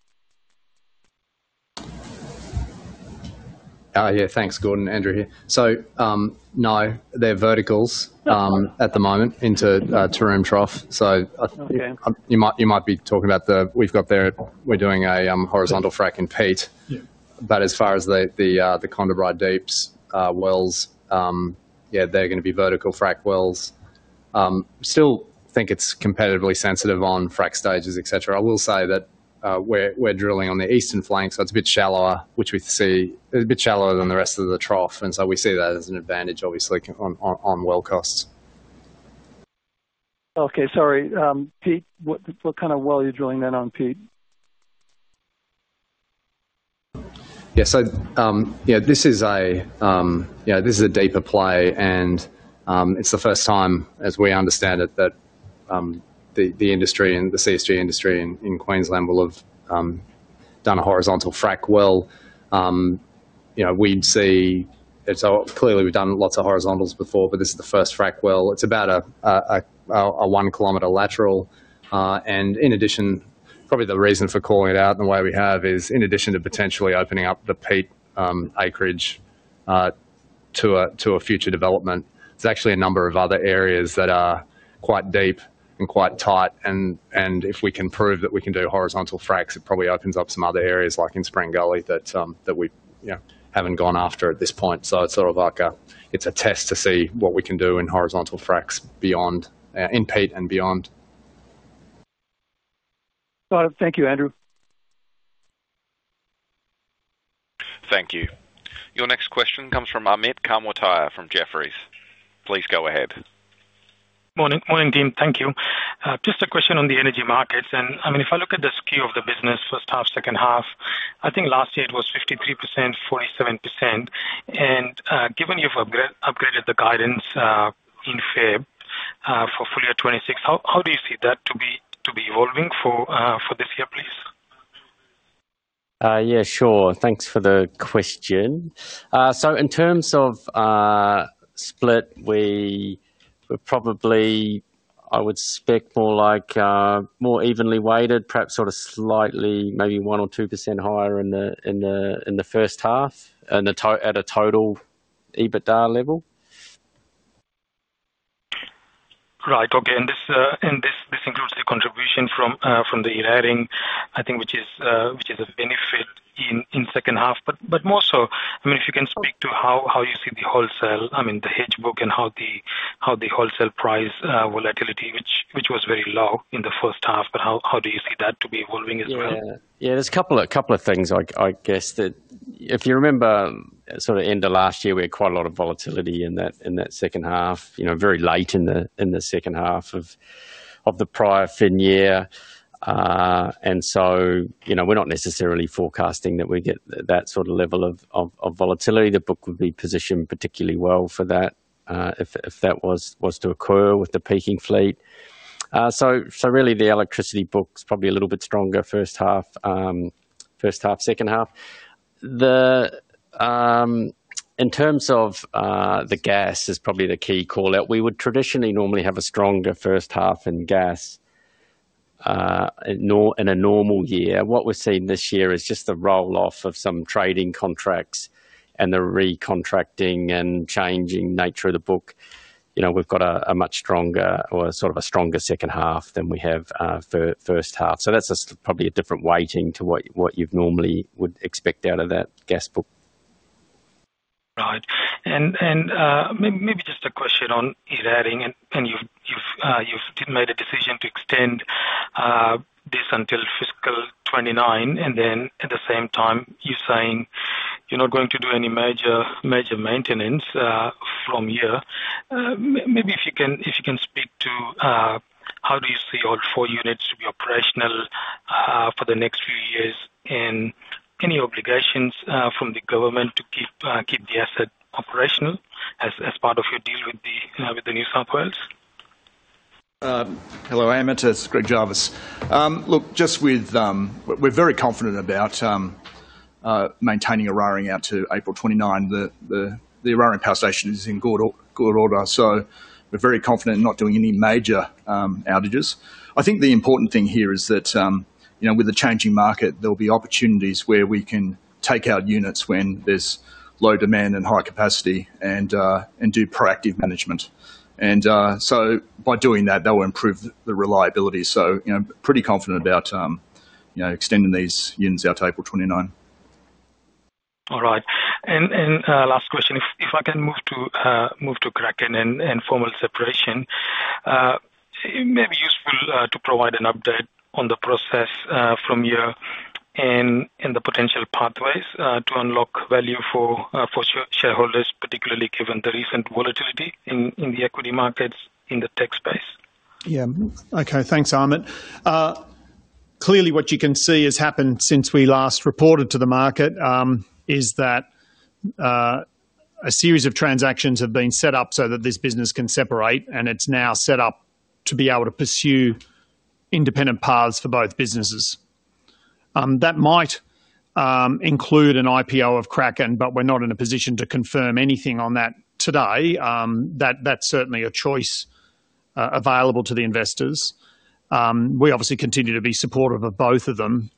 Yeah. Thanks, Gordon. Andrew here. So no, they're verticals at the moment into Taroom Trough. So you might be talking about the we've got there we're doing a horizontal frack in Peat. But as far as the Condamine deep wells, yeah, they're going to be vertical frack wells. Still think it's competitively sensitive on frack stages, etc. I will say that we're drilling on the eastern flank. So it's a bit shallower, which we see a bit shallower than the rest of the trough. And so we see that as an advantage, obviously, on well costs. Okay. Sorry. Pete, what kind of well are you drilling then on Peat? Yeah. So this is a deeper play. And it's the first time, as we understand it, that the industry and the CSG industry in Queensland will have done a horizontal frack well. We'd see so clearly, we've done lots of horizontals before. But this is the first frack well. It's about a one-kilometer lateral. And in addition, probably the reason for calling it out and the way we have is in addition to potentially opening up the Peat acreage to a future development, there's actually a number of other areas that are quite deep and quite tight. And if we can prove that we can do horizontal fracks, it probably opens up some other areas like in Spring Gully that we haven't gone after at this point. So it's sort of like it's a test to see what we can do in horizontal fracks in Peat and beyond. Got it. Thank you, Andrew. Thank you. Your next question comes from Amit Kanwatia from Jefferies. Please go ahead. Morning, Dean. Thank you. Just a question on the energy markets. I mean, if I look at the skew of the business first half, second half, I think last year, it was 53%, 47%. Given you've upgraded the guidance in February for full year 2026, how do you see that to be evolving for this year, please? Yeah. Sure. Thanks for the question. So in terms of split, we're probably I would spec more evenly weighted, perhaps sort of slightly, maybe one or two% higher in the first half at a total EBITDA level. Right. Okay. And this includes the contribution from the year ending, I think, which is a benefit in second half. But more so, I mean, if you can speak to how you see the wholesale, I mean, the hedge book and how the wholesale price volatility, which was very low in the first half. But how do you see that to be evolving as well? Yeah. Yeah. There's a couple of things, I guess, that if you remember sort of end of last year, we had quite a lot of volatility in that second half, very late in the second half of the prior FY year. And so we're not necessarily forecasting that we get that sort of level of volatility. The book would be positioned particularly well for that if that was to occur with the peaking fleet. So really, the electricity book's probably a little bit stronger first half, second half. In terms of the gas, it's probably the key callout. We would traditionally normally have a stronger first half in gas in a normal year. What we're seeing this year is just the roll-off of some trading contracts and the recontracting and changing nature of the book. We've got a much stronger or sort of a stronger second half than we have first half. So that's probably a different weighting to what you normally would expect out of that gas book. Right. Maybe just a question on year-end. You didn't make a decision to extend this until fiscal 2029. Then at the same time, you're saying you're not going to do any major maintenance from here. Maybe if you can speak to how you see all four units to be operational for the next few years and any obligations from the government to keep the asset operational as part of your deal with New South Wales? Hello, it's Greg Jarvis. Look, we're very confident about maintaining Eraring out to April 2029. The Eraring power station is in good order. We're very confident in not doing any major outages. I think the important thing here is that with the changing market, there'll be opportunities where we can take out units when there's low demand and high capacity and do proactive management. And so by doing that, that will improve the reliability. Pretty confident about extending these units out to April 2029. All right. And last question. If I can move to Kraken and formal separation, it may be useful to provide an update on the process from you and the potential pathways to unlock value for shareholders, particularly given the recent volatility in the equity markets in the tech space. Yeah. Okay. Thanks, Amit. Clearly, what you can see has happened since we last reported to the market is that a series of transactions have been set up so that this business can separate. And it's now set up to be able to pursue independent paths for both businesses. That might include an IPO of Kraken, but we're not in a position to confirm anything on that today. That's certainly a choice available to the investors. We obviously continue to be supportive of both of them.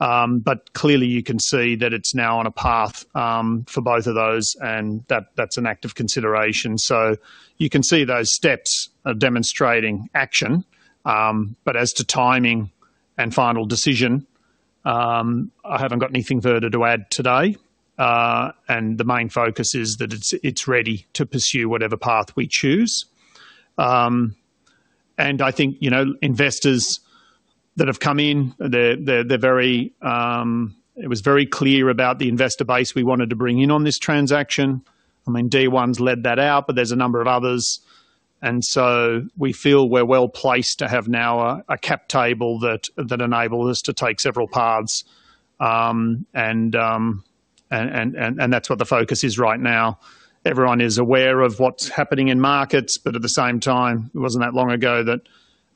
But clearly, you can see that it's now on a path for both of those. And that's an active consideration. So you can see those steps demonstrating action. But as to timing and final decision, I haven't got anything further to add today. And the main focus is that it's ready to pursue whatever path we choose. I think investors that have come in, it was very clear about the investor base we wanted to bring in on this transaction. I mean, D1's led that out. But there's a number of others. And so we feel we're well placed to have now a cap table that enables us to take several paths. And that's what the focus is right now. Everyone is aware of what's happening in markets. But at the same time, it wasn't that long ago that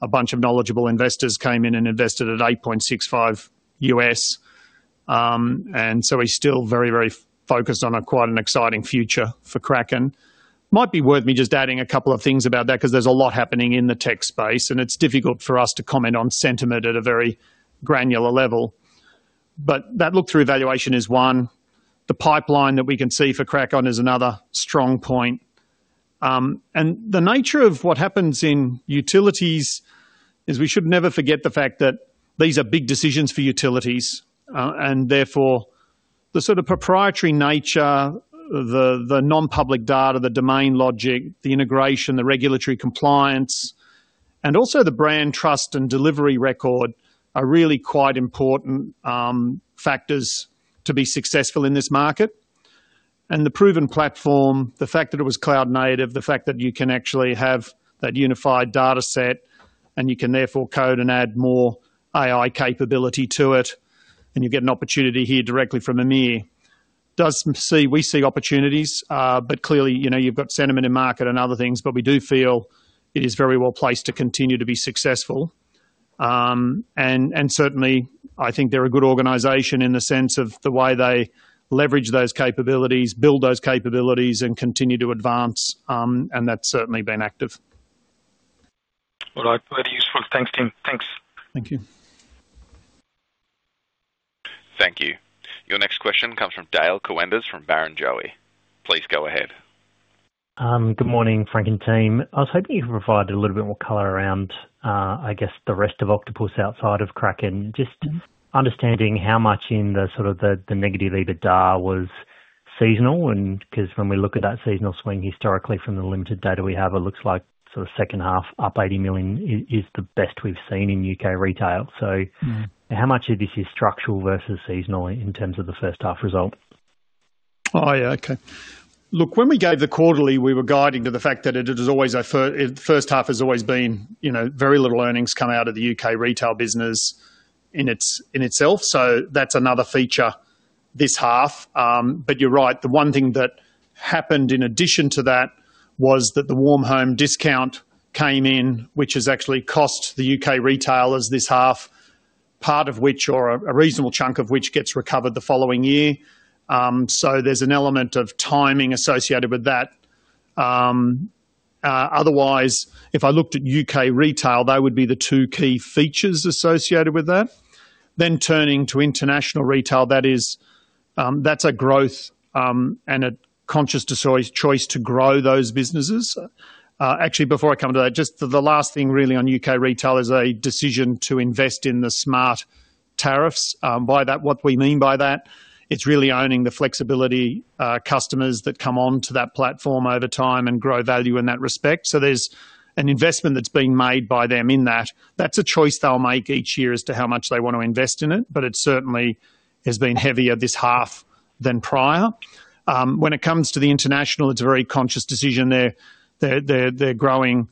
a bunch of knowledgeable investors came in and invested at $8.65. And so we're still very, very focused on quite an exciting future for Kraken. Might be worth me just adding a couple of things about that because there's a lot happening in the tech space. And it's difficult for us to comment on sentiment at a very granular level. But that look-through evaluation is one. The pipeline that we can see for Kraken is another strong point. The nature of what happens in utilities is we should never forget the fact that these are big decisions for utilities. Therefore, the sort of proprietary nature, the non-public data, the domain logic, the integration, the regulatory compliance, and also the brand trust and delivery record are really quite important factors to be successful in this market. The proven platform, the fact that it was cloud-native, the fact that you can actually have that unified dataset, and you can therefore code and add more AI capability to it, and you get an opportunity here directly from EMEA, we see opportunities. But clearly, you've got sentiment in market and other things. But we do feel it is very well placed to continue to be successful. Certainly, I think they're a good organization in the sense of the way they leverage those capabilities, build those capabilities, and continue to advance. That's certainly been active. All right. Very useful. Thanks, Dean. Thanks. Thank you. Thank you. Your next question comes from Dale Koenders from Barrenjoey. Please go ahead. Good morning, Frank and team. I was hoping you could provide a little bit more color around, I guess, the rest of Octopus outside of Kraken, just understanding how much in sort of the negative EBITDA was seasonal. Because when we look at that seasonal swing historically from the limited data we have, it looks like sort of second half up 80 million is the best we've seen in U.K. retail. So how much of this is structural versus seasonal in terms of the first half result? Oh, yeah. Okay. Look, when we gave the quarterly, we were guiding to the fact that the first half has always been very little earnings come out of the U.K. retail business in itself. So that's another feature this half. But you're right. The one thing that happened in addition to that was that the Warm Home Discount came in, which has actually cost the U.K. retailers this half, part of which or a reasonable chunk of which gets recovered the following year. So there's an element of timing associated with that. Otherwise, if I looked at U.K. retail, that would be the two key features associated with that. Then turning to international retail, that's a growth and a conscious choice to grow those businesses. Actually, before I come to that, just the last thing really on U.K. retail is a decision to invest in the smart tariffs. What we mean by that, it's really owning the flexibility customers that come onto that platform over time and grow value in that respect. So there's an investment that's being made by them in that. That's a choice they'll make each year as to how much they want to invest in it. But it certainly has been heavier this half than prior. When it comes to the international, it's a very conscious decision there. They're growing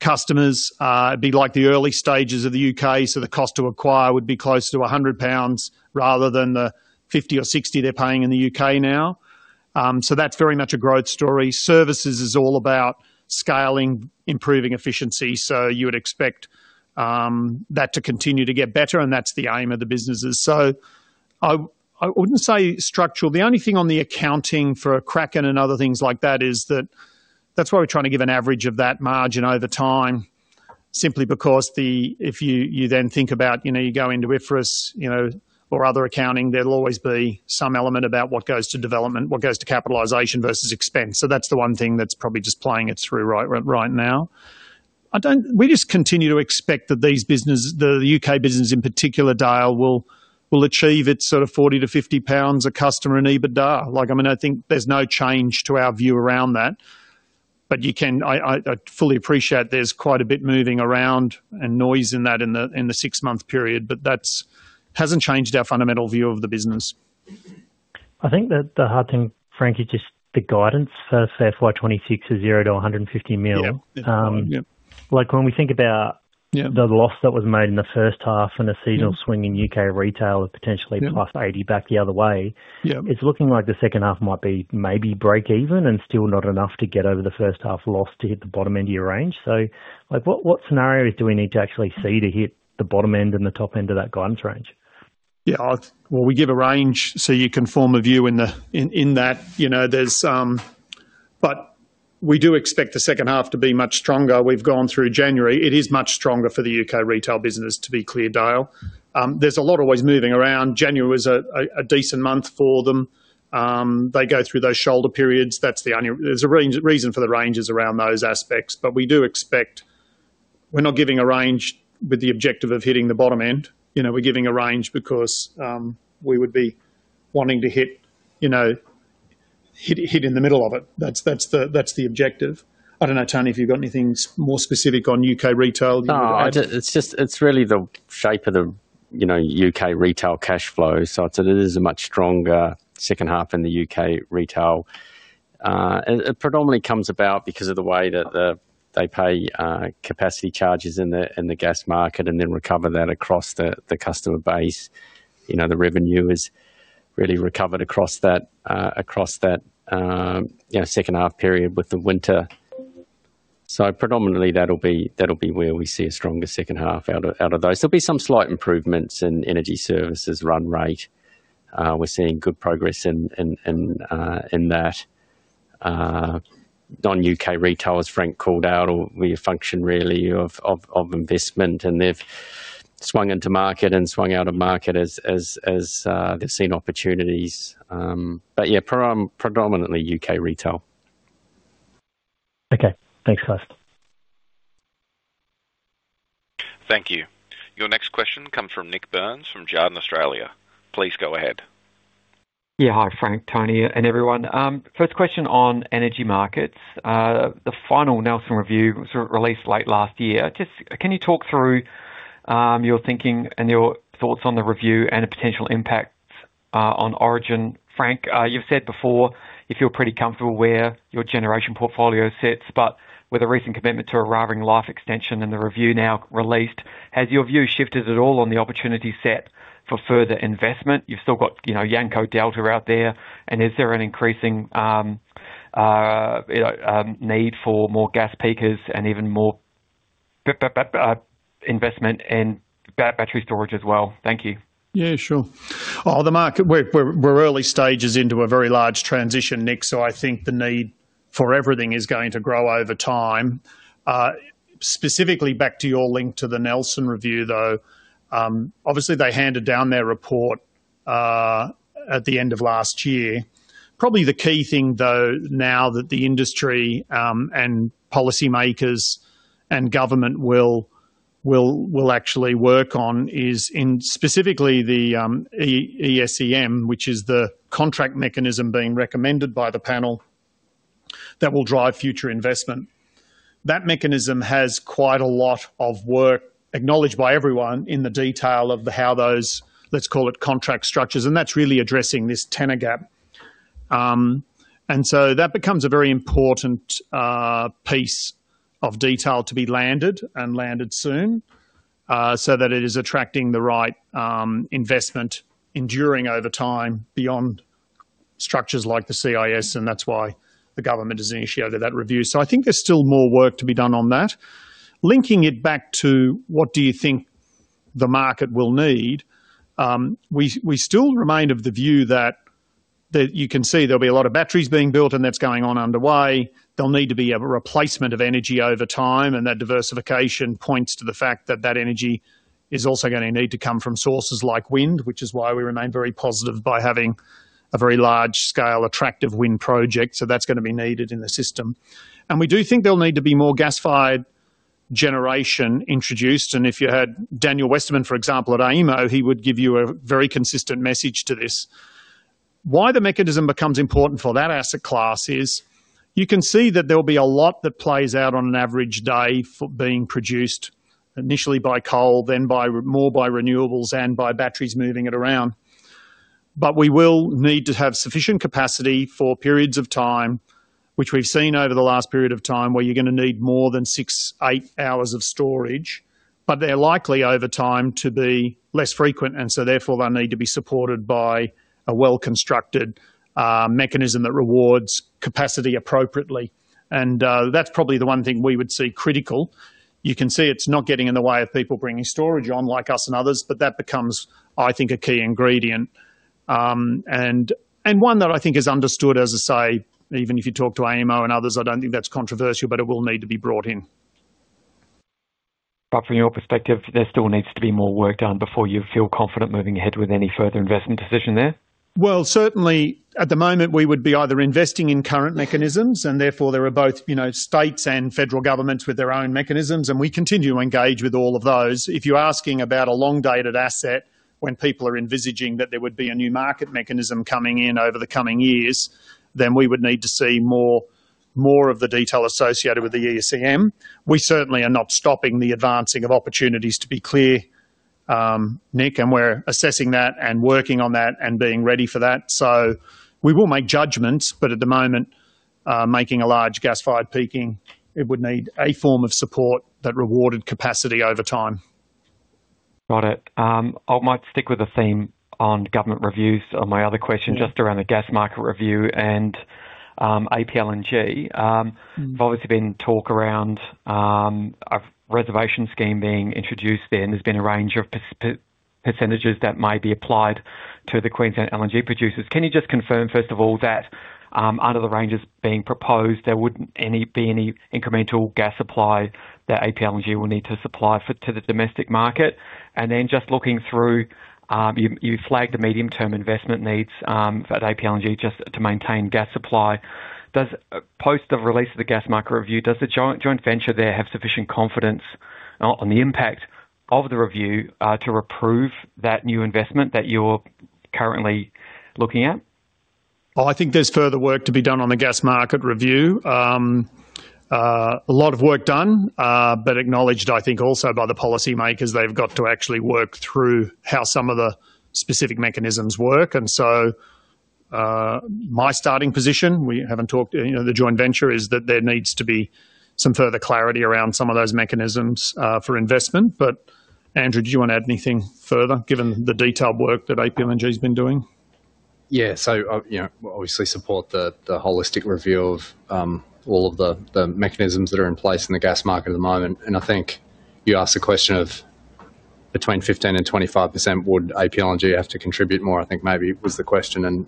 customers. It'd be like the early stages of the U.K.. So the cost to acquire would be closer to 100 pounds rather than the 50 or 60 they're paying in the U.K. now. So that's very much a growth story. Services is all about scaling, improving efficiency. So you would expect that to continue to get better. And that's the aim of the businesses. So I wouldn't say structural. The only thing on the accounting for Kraken and other things like that is that that's why we're trying to give an average of that margin over time, simply because if you then think about you go into IFRS or other accounting, there'll always be some element about what goes to development, what goes to capitalization versus expense. So that's the one thing that's probably just playing it through right now. We just continue to expect that the U.K. business in particular, Dale, will achieve its sort of 40-50 pounds a customer in EBITDA. I mean, I think there's no change to our view around that. But I fully appreciate there's quite a bit moving around and noise in that in the six-month period. But that hasn't changed our fundamental view of the business. I think the hard thing, Frank, is just the guidance for FY 2026 is 0 million-150 million. When we think about the loss that was made in the first half and a seasonal swing in U.K. retail of potentially +80 million back the other way, it's looking like the second half might be maybe break-even and still not enough to get over the first half loss to hit the bottom end of your range. So what scenarios do we need to actually see to hit the bottom end and the top end of that guidance range? Yeah. Well, we give a range so you can form a view in that. But we do expect the second half to be much stronger. We've gone through January. It is much stronger for the U.K. retail business, to be clear, Dale. There's a lot always moving around. January was a decent month for them. They go through those shoulder periods. There's a reason for the ranges around those aspects. But we do expect we're not giving a range with the objective of hitting the bottom end. We're giving a range because we would be wanting to hit in the middle of it. That's the objective. I don't know, Tony, if you've got anything more specific on U.K. retail. Oh, it's really the shape of the U.K. retail cash flow. So it is a much stronger second half in the U.K. retail. It predominantly comes about because of the way that they pay capacity charges in the gas market and then recover that across the customer base. The revenue has really recovered across that second half period with the winter. So predominantly, that'll be where we see a stronger second half out of those. There'll be some slight improvements in energy services run rate. We're seeing good progress in that. Non-U.K. retailers, Frank called out, or we function really of investment. And they've swung into market and swung out of market as they've seen opportunities. But predominantly U.K. retail. Okay. Thanks, Chris. Thank you. Your next question comes from Nik Burns from Jarden Australia. Please go ahead. Yeah. Hi, Frank, Tony, and everyone. First question on energy markets. The final Nelson review was released late last year. Can you talk through your thinking and your thoughts on the review and the potential impact on Origin? Frank, you've said before you feel pretty comfortable where your generation portfolio sits. But with a recent commitment to Eraring Life Extension and the review now released, has your view shifted at all on the opportunity set for further investment? You've still got Yanco Delta out there. And is there an increasing need for more gas peakers and even more investment in battery storage as well? Thank you. Yeah. Sure. We're early stages into a very large transition, Nik. So I think the need for everything is going to grow over time. Specifically back to your link to the Nelson review, though, obviously, they handed down their report at the end of last year. Probably the key thing, though, now that the industry and policymakers and government will actually work on is specifically the ESM, which is the contract mechanism being recommended by the panel that will drive future investment. That mechanism has quite a lot of work acknowledged by everyone in the detail of how those, let's call it, contract structures. And that's really addressing this tenor gap. And so that becomes a very important piece of detail to be landed and landed soon so that it is attracting the right investment enduring over time beyond structures like the CIS. And that's why the government has initiated that review. So I think there's still more work to be done on that. Linking it back to what do you think the market will need, we still remain of the view that you can see there'll be a lot of batteries being built. And that's going on underway. There'll need to be a replacement of energy over time. And that diversification points to the fact that that energy is also going to need to come from sources like wind, which is why we remain very positive by having a very large-scale, attractive wind project. So that's going to be needed in the system. And we do think there'll need to be more gas-fired generation introduced. And if you had Daniel Westerman, for example, at AEMO, he would give you a very consistent message to this. Why the mechanism becomes important for that asset class is you can see that there'll be a lot that plays out on an average day being produced initially by coal, then more by renewables, and by batteries moving it around. But we will need to have sufficient capacity for periods of time, which we've seen over the last period of time where you're going to need more than 6, 8 hours of storage. But they're likely over time to be less frequent. And so therefore, they'll need to be supported by a well-constructed mechanism that rewards capacity appropriately. And that's probably the one thing we would see critical. You can see it's not getting in the way of people bringing storage on like us and others. But that becomes, I think, a key ingredient and one that I think is understood as they say, even if you talk to AEMO and others, I don't think that's controversial. But it will need to be brought in. From your perspective, there still needs to be more work done before you feel confident moving ahead with any further investment decision there? Well, certainly, at the moment, we would be either investing in current mechanisms. And therefore, there are both states and federal governments with their own mechanisms. And we continue to engage with all of those. If you're asking about a long-dated asset, when people are envisaging that there would be a new market mechanism coming in over the coming years, then we would need to see more of the detail associated with the ESEM. We certainly are not stopping the advancing of opportunities to be clear, Nik. And we're assessing that and working on that and being ready for that. So we will make judgments. But at the moment, making a large gas-fired peaking, it would need a form of support that rewarded capacity over time. Got it. I might stick with the theme on government reviews on my other question just around the gas market review and APLNG. There's obviously been talk around a reservation scheme being introduced there. There's been a range of percentages that may be applied to the Queensland LNG producers. Can you just confirm, first of all, that under the ranges being proposed, there wouldn't be any incremental gas supply that APLNG will need to supply to the domestic market? Then just looking through, you flagged the medium-term investment needs at APLNG just to maintain gas supply. Post the release of the gas market review, does the joint venture there have sufficient confidence on the impact of the review to approve that new investment that you're currently looking at? I think there's further work to be done on the gas market review. A lot of work done, but acknowledged, I think, also by the policymakers. They've got to actually work through how some of the specific mechanisms work. And so my starting position, we haven't talked the joint venture, is that there needs to be some further clarity around some of those mechanisms for investment. But Andrew, do you want to add anything further given the detailed work that APLNG has been doing? Yeah. So obviously, support the holistic review of all of the mechanisms that are in place in the gas market at the moment. And I think you asked the question of between 15% and 25%, would APLNG have to contribute more? I think maybe it was the question. And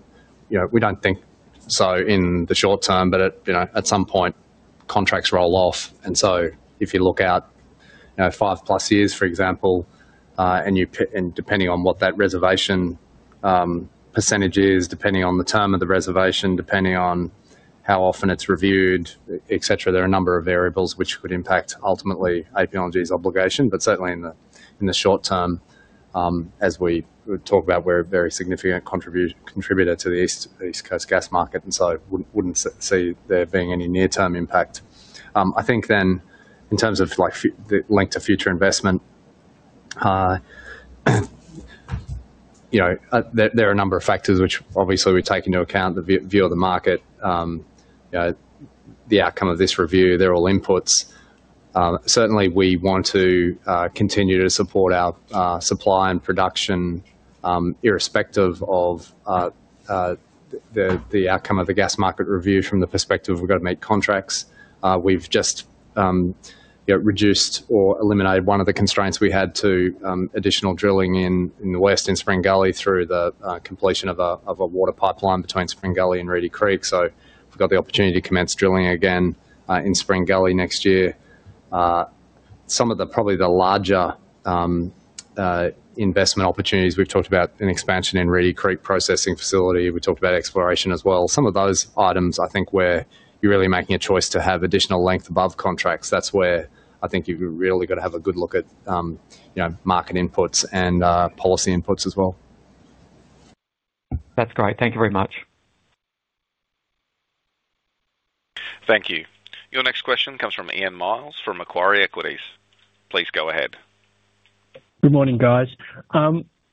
we don't think so in the short term. But at some point, contracts roll off. And so if you look out 5+ years, for example, and depending on what that reservation percentage is, depending on the term of the reservation, depending on how often it's reviewed, etc., there are a number of variables which could impact ultimately APLNG's obligation. But certainly in the short term, as we talk about, we're a very significant contributor to the East Coast gas market. And so wouldn't see there being any near-term impact. I think then in terms of the length of future investment, there are a number of factors which obviously we take into account, the view of the market, the outcome of this review. They're all inputs. Certainly, we want to continue to support our supply and production irrespective of the outcome of the gas market review from the perspective we've got to make contracts. We've just reduced or eliminated one of the constraints we had to additional drilling in the west in Spring Gully through the completion of a water pipeline between Spring Gully and Reedy Creek. So we've got the opportunity to commence drilling again in Spring Gully next year. Some of probably the larger investment opportunities we've talked about, an expansion in Reedy Creek processing facility. We talked about exploration as well. Some of those items, I think, where you're really making a choice to have additional length above contracts, that's where I think you've really got to have a good look at market inputs and policy inputs as well. That's great. Thank you very much. Thank you. Your next question comes from Ian Myles from Macquarie Equities. Please go ahead. Good morning, guys.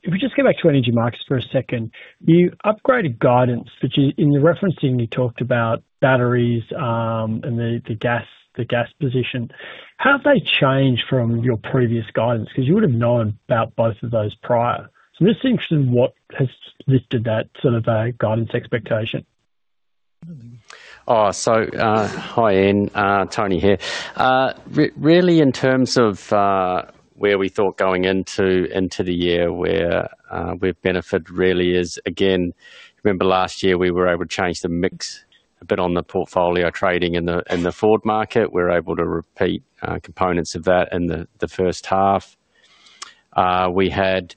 If we just go back to energy markets for a second, you upgraded guidance. In the referencing, you talked about batteries and the gas position. How have they changed from your previous guidance? Because you would have known about both of those prior. So I'm just interested in what has lifted that sort of guidance expectation. So hi, Ian. Tony here. Really, in terms of where we thought going into the year where we've benefited really is, again, remember last year, we were able to change the mix a bit on the portfolio trading in the forward market. We were able to repeat components of that in the first half. We had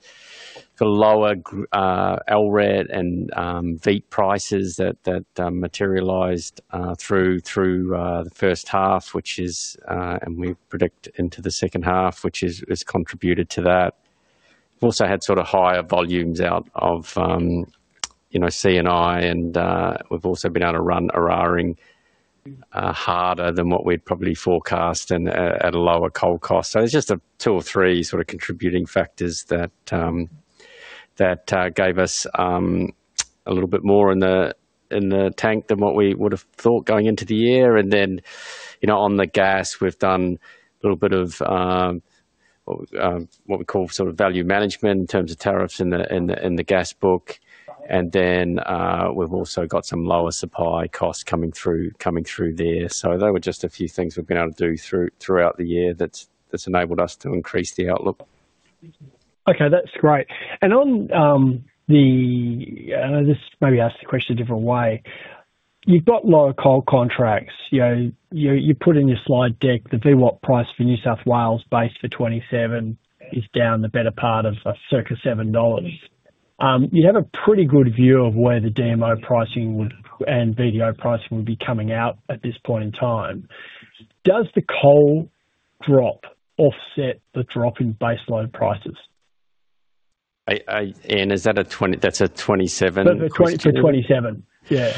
the lower LRET and VEET prices that materialized through the first half, which is and we predict into the second half, which has contributed to that. We've also had sort of higher volumes out of CNI. And we've also been able to run Eraring harder than what we'd probably forecast and at a lower coal cost. So there's just two or three sort of contributing factors that gave us a little bit more in the tank than what we would have thought going into the year. And then on the gas, we've done a little bit of what we call sort of value management in terms of tariffs in the gas book. And then we've also got some lower supply costs coming through there. So those were just a few things we've been able to do throughout the year that's enabled us to increase the outlook. Okay. That's great. On the, I'll just maybe ask the question a different way. You've got lower coal contracts. You put in your slide deck, the VWAP price for New South Wales based for 2027 is down the better part of circa 7 dollars. You have a pretty good view of where the DMO pricing and VDO pricing would be coming out at this point in time. Does the coal drop offset the drop in baseload prices? Ian, is that a 20? That's a 2027? But the 2020 to 2027, yeah.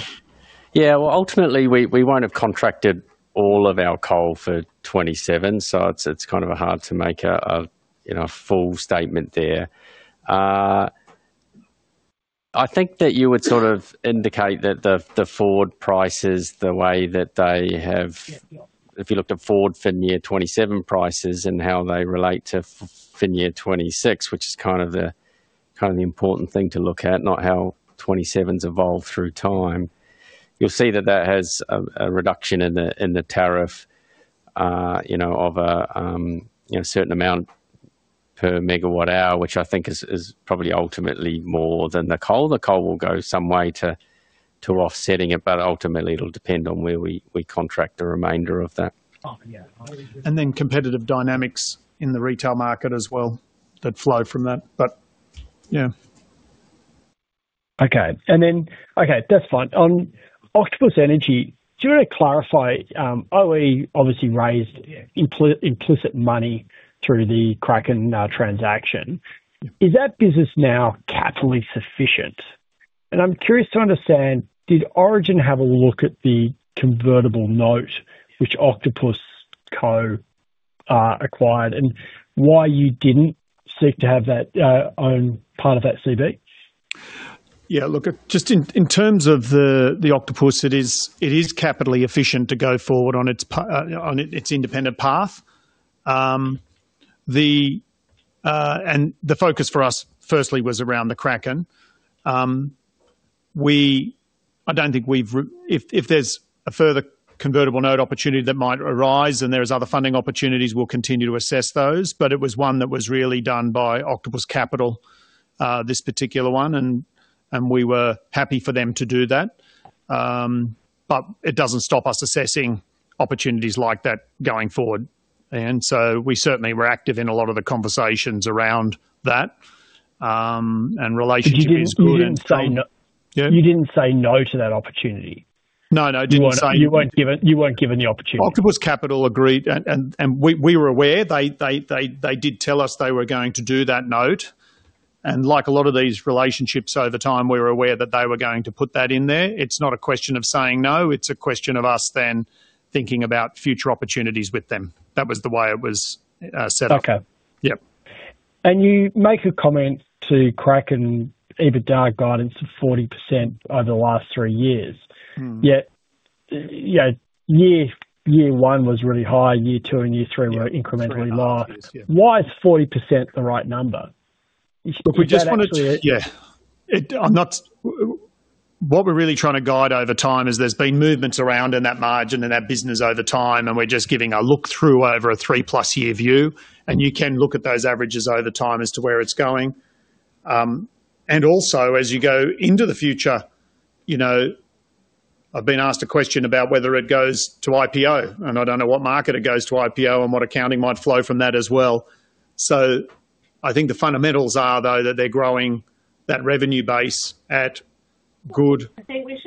Yeah. Well, ultimately, we won't have contracted all of our coal for 2027. So it's kind of hard to make a full statement there. I think that you would sort of indicate that the forward prices, the way that they have if you looked at forward FY 2027 prices and how they relate to FY 2026, which is kind of the important thing to look at, not how 2027's evolved through time, you'll see that that has a reduction in the tariff of a certain amount per megawatt-hour, which I think is probably ultimately more than the coal. The coal will go some way to offsetting it. But ultimately, it'll depend on where we contract the remainder of that. And then competitive dynamics in the retail market as well that flow from that. But yeah. Okay. Okay. That's fine. On Octopus Energy, do you want to clarify? OE obviously raised implicit money through the Kraken transaction. Is that business now capitally sufficient? And I'm curious to understand, did Origin have a look at the convertible note which Octopus Captial acquired and why you didn't seek to have that own part of that CB? Yeah. Look, just in terms of the Octopus, it is capitally efficient to go forward on its independent path. And the focus for us, firstly, was around the Kraken. I don't think we've if there's a further convertible note opportunity that might arise and there are other funding opportunities, we'll continue to assess those. But it was one that was really done by Octopus Capital, this particular one. And we were happy for them to do that. But it doesn't stop us assessing opportunities like that going forward. And so we certainly were active in a lot of the conversations around that. And relationship is good. You didn't say no? You didn't say no to that opportunity? No, no. I didn't say no. You weren't given the opportunity? Octopus Capital agreed. We were aware. They did tell us they were going to do that note. Like a lot of these relationships over time, we were aware that they were going to put that in there. It's not a question of saying no. It's a question of us then thinking about future opportunities with them. That was the way it was set up. You make a comment to Kraken EBITDA guidance of 40% over the last three years. Yet year one was really high. Year two and year three were incrementally lower. Why is 40% the right number? Look, we just want to. What we're really trying to guide over time is there's been movements around in that margin and that business over time. And we're just giving a look through over a 3+ year view. And you can look at those averages over time as to where it's going. And also, as you go into the future, I've been asked a question about whether it goes to IPO. And I don't know what market it goes to IPO and what accounting might flow from that as well. So I think the fundamentals are, though, that they're growing that revenue base at good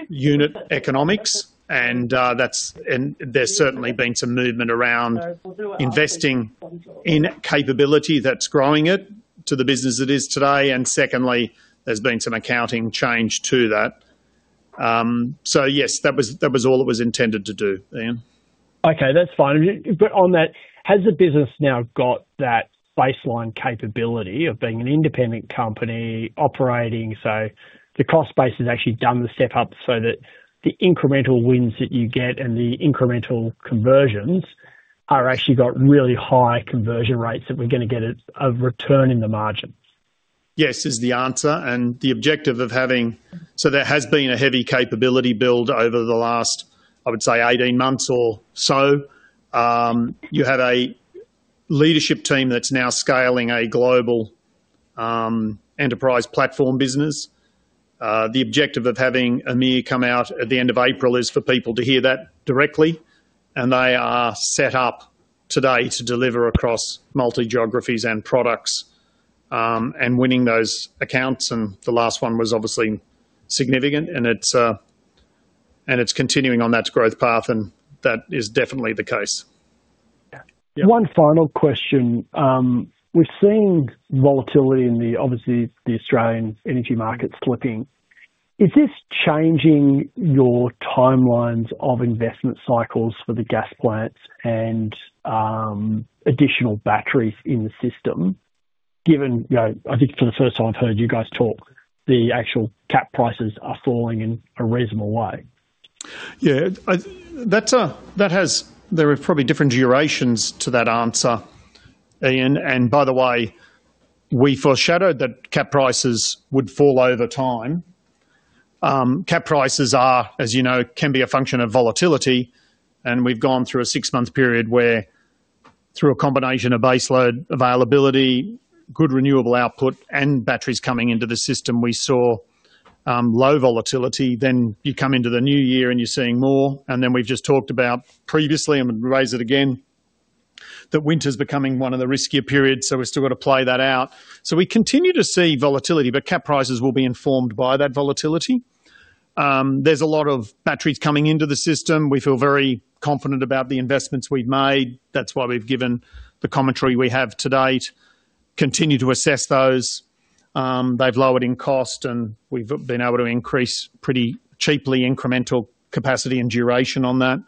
unit economics. And there's certainly been some movement around investing in capability that's growing it to the business it is today. And secondly, there's been some accounting change to that. So yes, that was all it was intended to do, Ian. Okay. That's fine. But on that, has the business now got that baseline capability of being an independent company operating? So the cost base has actually done the step up so that the incremental wins that you get and the incremental conversions are actually got really high conversion rates that we're going to get a return in the margin? Yes, is the answer. And the objective of having so there has been a heavy capability build over the last, I would say, 18 months or so. You have a leadership team that's now scaling a global enterprise platform business. The objective of having Amit come out at the end of April is for people to hear that directly. And they are set up today to deliver across multi-geographies and products and winning those accounts. And the last one was obviously significant. And it's continuing on that growth path. And that is definitely the case. One final question. We're seeing volatility in, obviously, the Australian energy market slipping. Is this changing your timelines of investment cycles for the gas plants and additional batteries in the system? I think for the first time I've heard you guys talk, the actual cap prices are falling in a reasonable way. Yeah. There are probably different durations to that answer, Ian. And by the way, we foreshadowed that cap prices would fall over time. Cap prices can be a function of volatility. And we've gone through a six-month period where, through a combination of baseload availability, good renewable output, and batteries coming into the system, we saw low volatility. Then you come into the new year, and you're seeing more. And then we've just talked about previously - I'm going to raise it again - that winter's becoming one of the riskier periods. So we've still got to play that out. So we continue to see volatility. But cap prices will be informed by that volatility. There's a lot of batteries coming into the system. We feel very confident about the investments we've made. That's why we've given the commentary we have to date, continue to assess those. They've lowered in cost. We've been able to increase pretty cheaply incremental capacity and duration on that.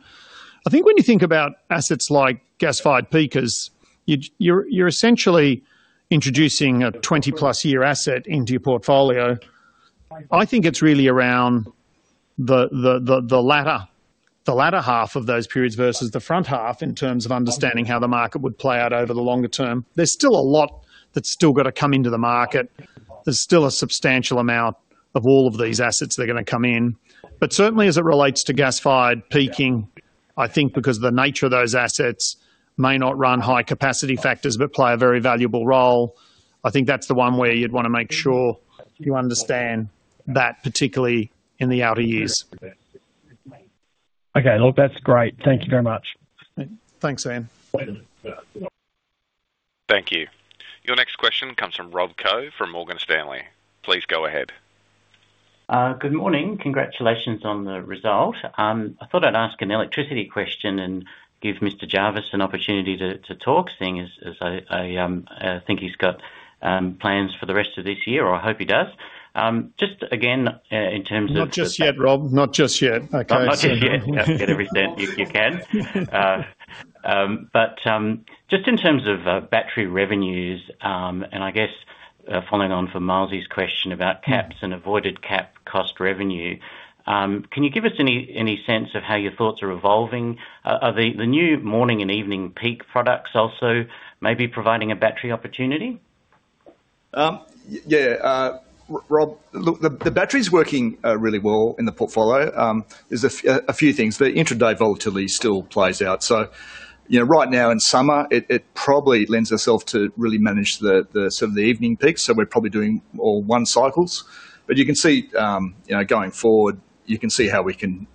I think when you think about assets like gas-fired peakers, you're essentially introducing a 20+ year asset into your portfolio. I think it's really around the latter half of those periods versus the front half in terms of understanding how the market would play out over the longer term. There's still a lot that's still got to come into the market. There's still a substantial amount of all of these assets that are going to come in. But certainly, as it relates to gas-fired peaking, I think because the nature of those assets may not run high capacity factors but play a very valuable role, I think that's the one where you'd want to make sure you understand that particularly in the outer years. Okay. Look, that's great. Thank you very much. Thanks, Ian. Thank you. Your next question comes from Rob Koh from Morgan Stanley. Please go ahead. Good morning. Congratulations on the result. I thought I'd ask an electricity question and give Mr. Jarvis an opportunity to talk, seeing as I think he's got plans for the rest of this year, or I hope he does. Just again, in terms of. Not just yet, Rob. Not just yet. Not just yet. Yeah. Get every cent you can. But just in terms of battery revenues and I guess following on from Myles’ question about caps and avoided cap cost revenue, can you give us any sense of how your thoughts are evolving? Are the new morning and evening peak products also maybe providing a battery opportunity? Yeah. Rob, look, the battery's working really well in the portfolio. There's a few things. The intraday volatility still plays out. So right now in summer, it probably lends itself to really manage sort of the evening peaks. So we're probably doing all one cycles. But you can see going forward, you can see how we can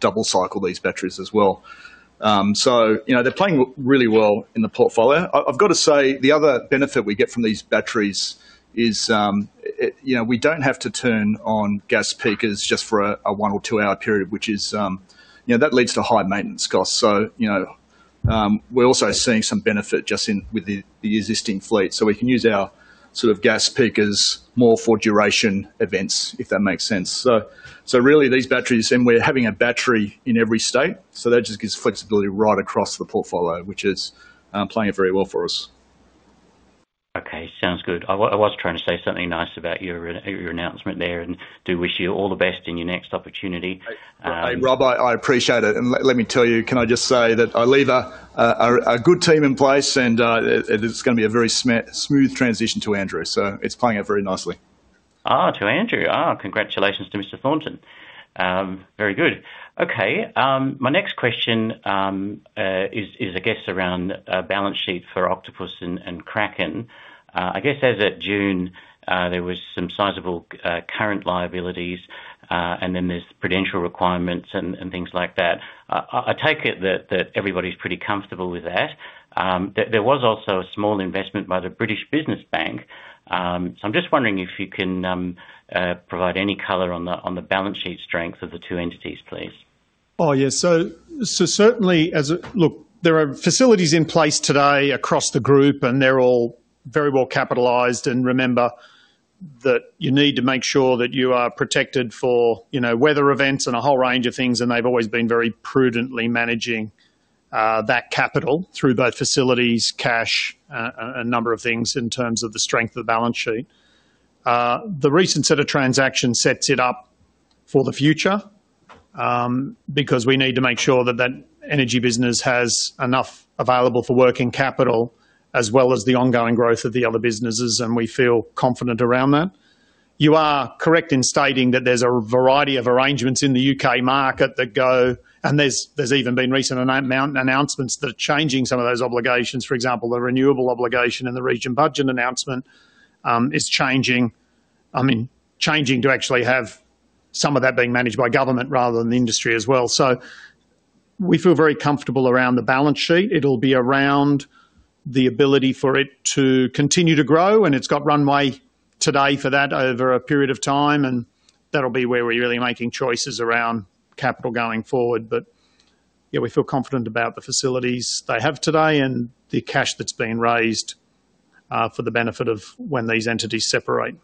double-cycle these batteries as well. So they're playing really well in the portfolio. I've got to say, the other benefit we get from these batteries is we don't have to turn on gas peakers just for a one or two-hour period, which is that leads to high maintenance costs. So we're also seeing some benefit just with the existing fleet. So we can use our sort of gas peakers more for duration events, if that makes sense. So really, these batteries and we're having a battery in every state. So that just gives flexibility right across the portfolio, which is playing it very well for us. Okay. Sounds good. I was trying to say something nice about your announcement there. And do wish you all the best in your next opportunity. Rob, I appreciate it. And let me tell you, can I just say that I leave a good team in place. And it's going to be a very smooth transition to Andrew. So it's playing out very nicely. Oh, to Andrew. Oh, congratulations to Mr. Thornton. Very good. Okay. My next question is, I guess, around a balance sheet for Octopus and Kraken. I guess as of June, there was some sizable current liabilities. And then there's prudential requirements and things like that. I take it that everybody's pretty comfortable with that. There was also a small investment by the British Business Bank. So I'm just wondering if you can provide any color on the balance sheet strength of the two entities, please. Oh, yes. So certainly, look, there are facilities in place today across the group. And they're all very well capitalised. And remember that you need to make sure that you are protected for weather events and a whole range of things. And they've always been very prudently managing that capital through both facilities, cash, and a number of things in terms of the strength of the balance sheet. The recent set of transactions sets it up for the future because we need to make sure that that energy business has enough available for working capital as well as the ongoing growth of the other businesses. And we feel confident around that. You are correct in stating that there's a variety of arrangements in the U.K. market that go and there's even been recent announcements that are changing some of those obligations. For example, the renewable obligation and the region budget announcement is changing, I mean, changing to actually have some of that being managed by government rather than the industry as well. So we feel very comfortable around the balance sheet. It'll be around the ability for it to continue to grow. And it's got runway today for that over a period of time. And that'll be where we're really making choices around capital going forward. But yeah, we feel confident about the facilities they have today and the cash that's being raised for the benefit of when these entities separate.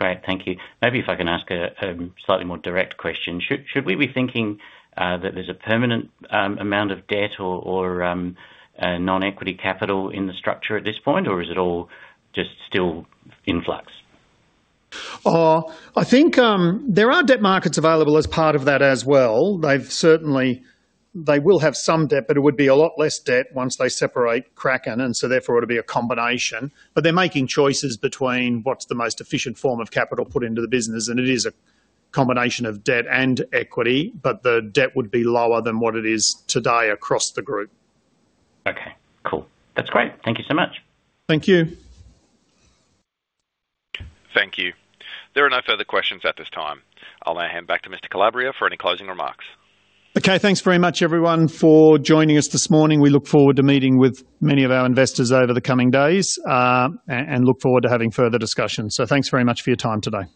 Yeah. Great. Thank you. Maybe if I can ask a slightly more direct question, should we be thinking that there's a permanent amount of debt or non-equity capital in the structure at this point? Or is it all just still in flux? I think there are debt markets available as part of that as well. They will have some debt. But it would be a lot less debt once they separate Kraken. And so therefore, it'll be a combination. But they're making choices between what's the most efficient form of capital put into the business. And it is a combination of debt and equity. But the debt would be lower than what it is today across the group. Okay. Cool. That's great. Thank you so much. Thank you. Thank you. There are no further questions at this time. I'll now hand back to Mr. Calabria for any closing remarks. Okay. Thanks very much, everyone, for joining us this morning. We look forward to meeting with many of our investors over the coming days and look forward to having further discussions. So thanks very much for your time today.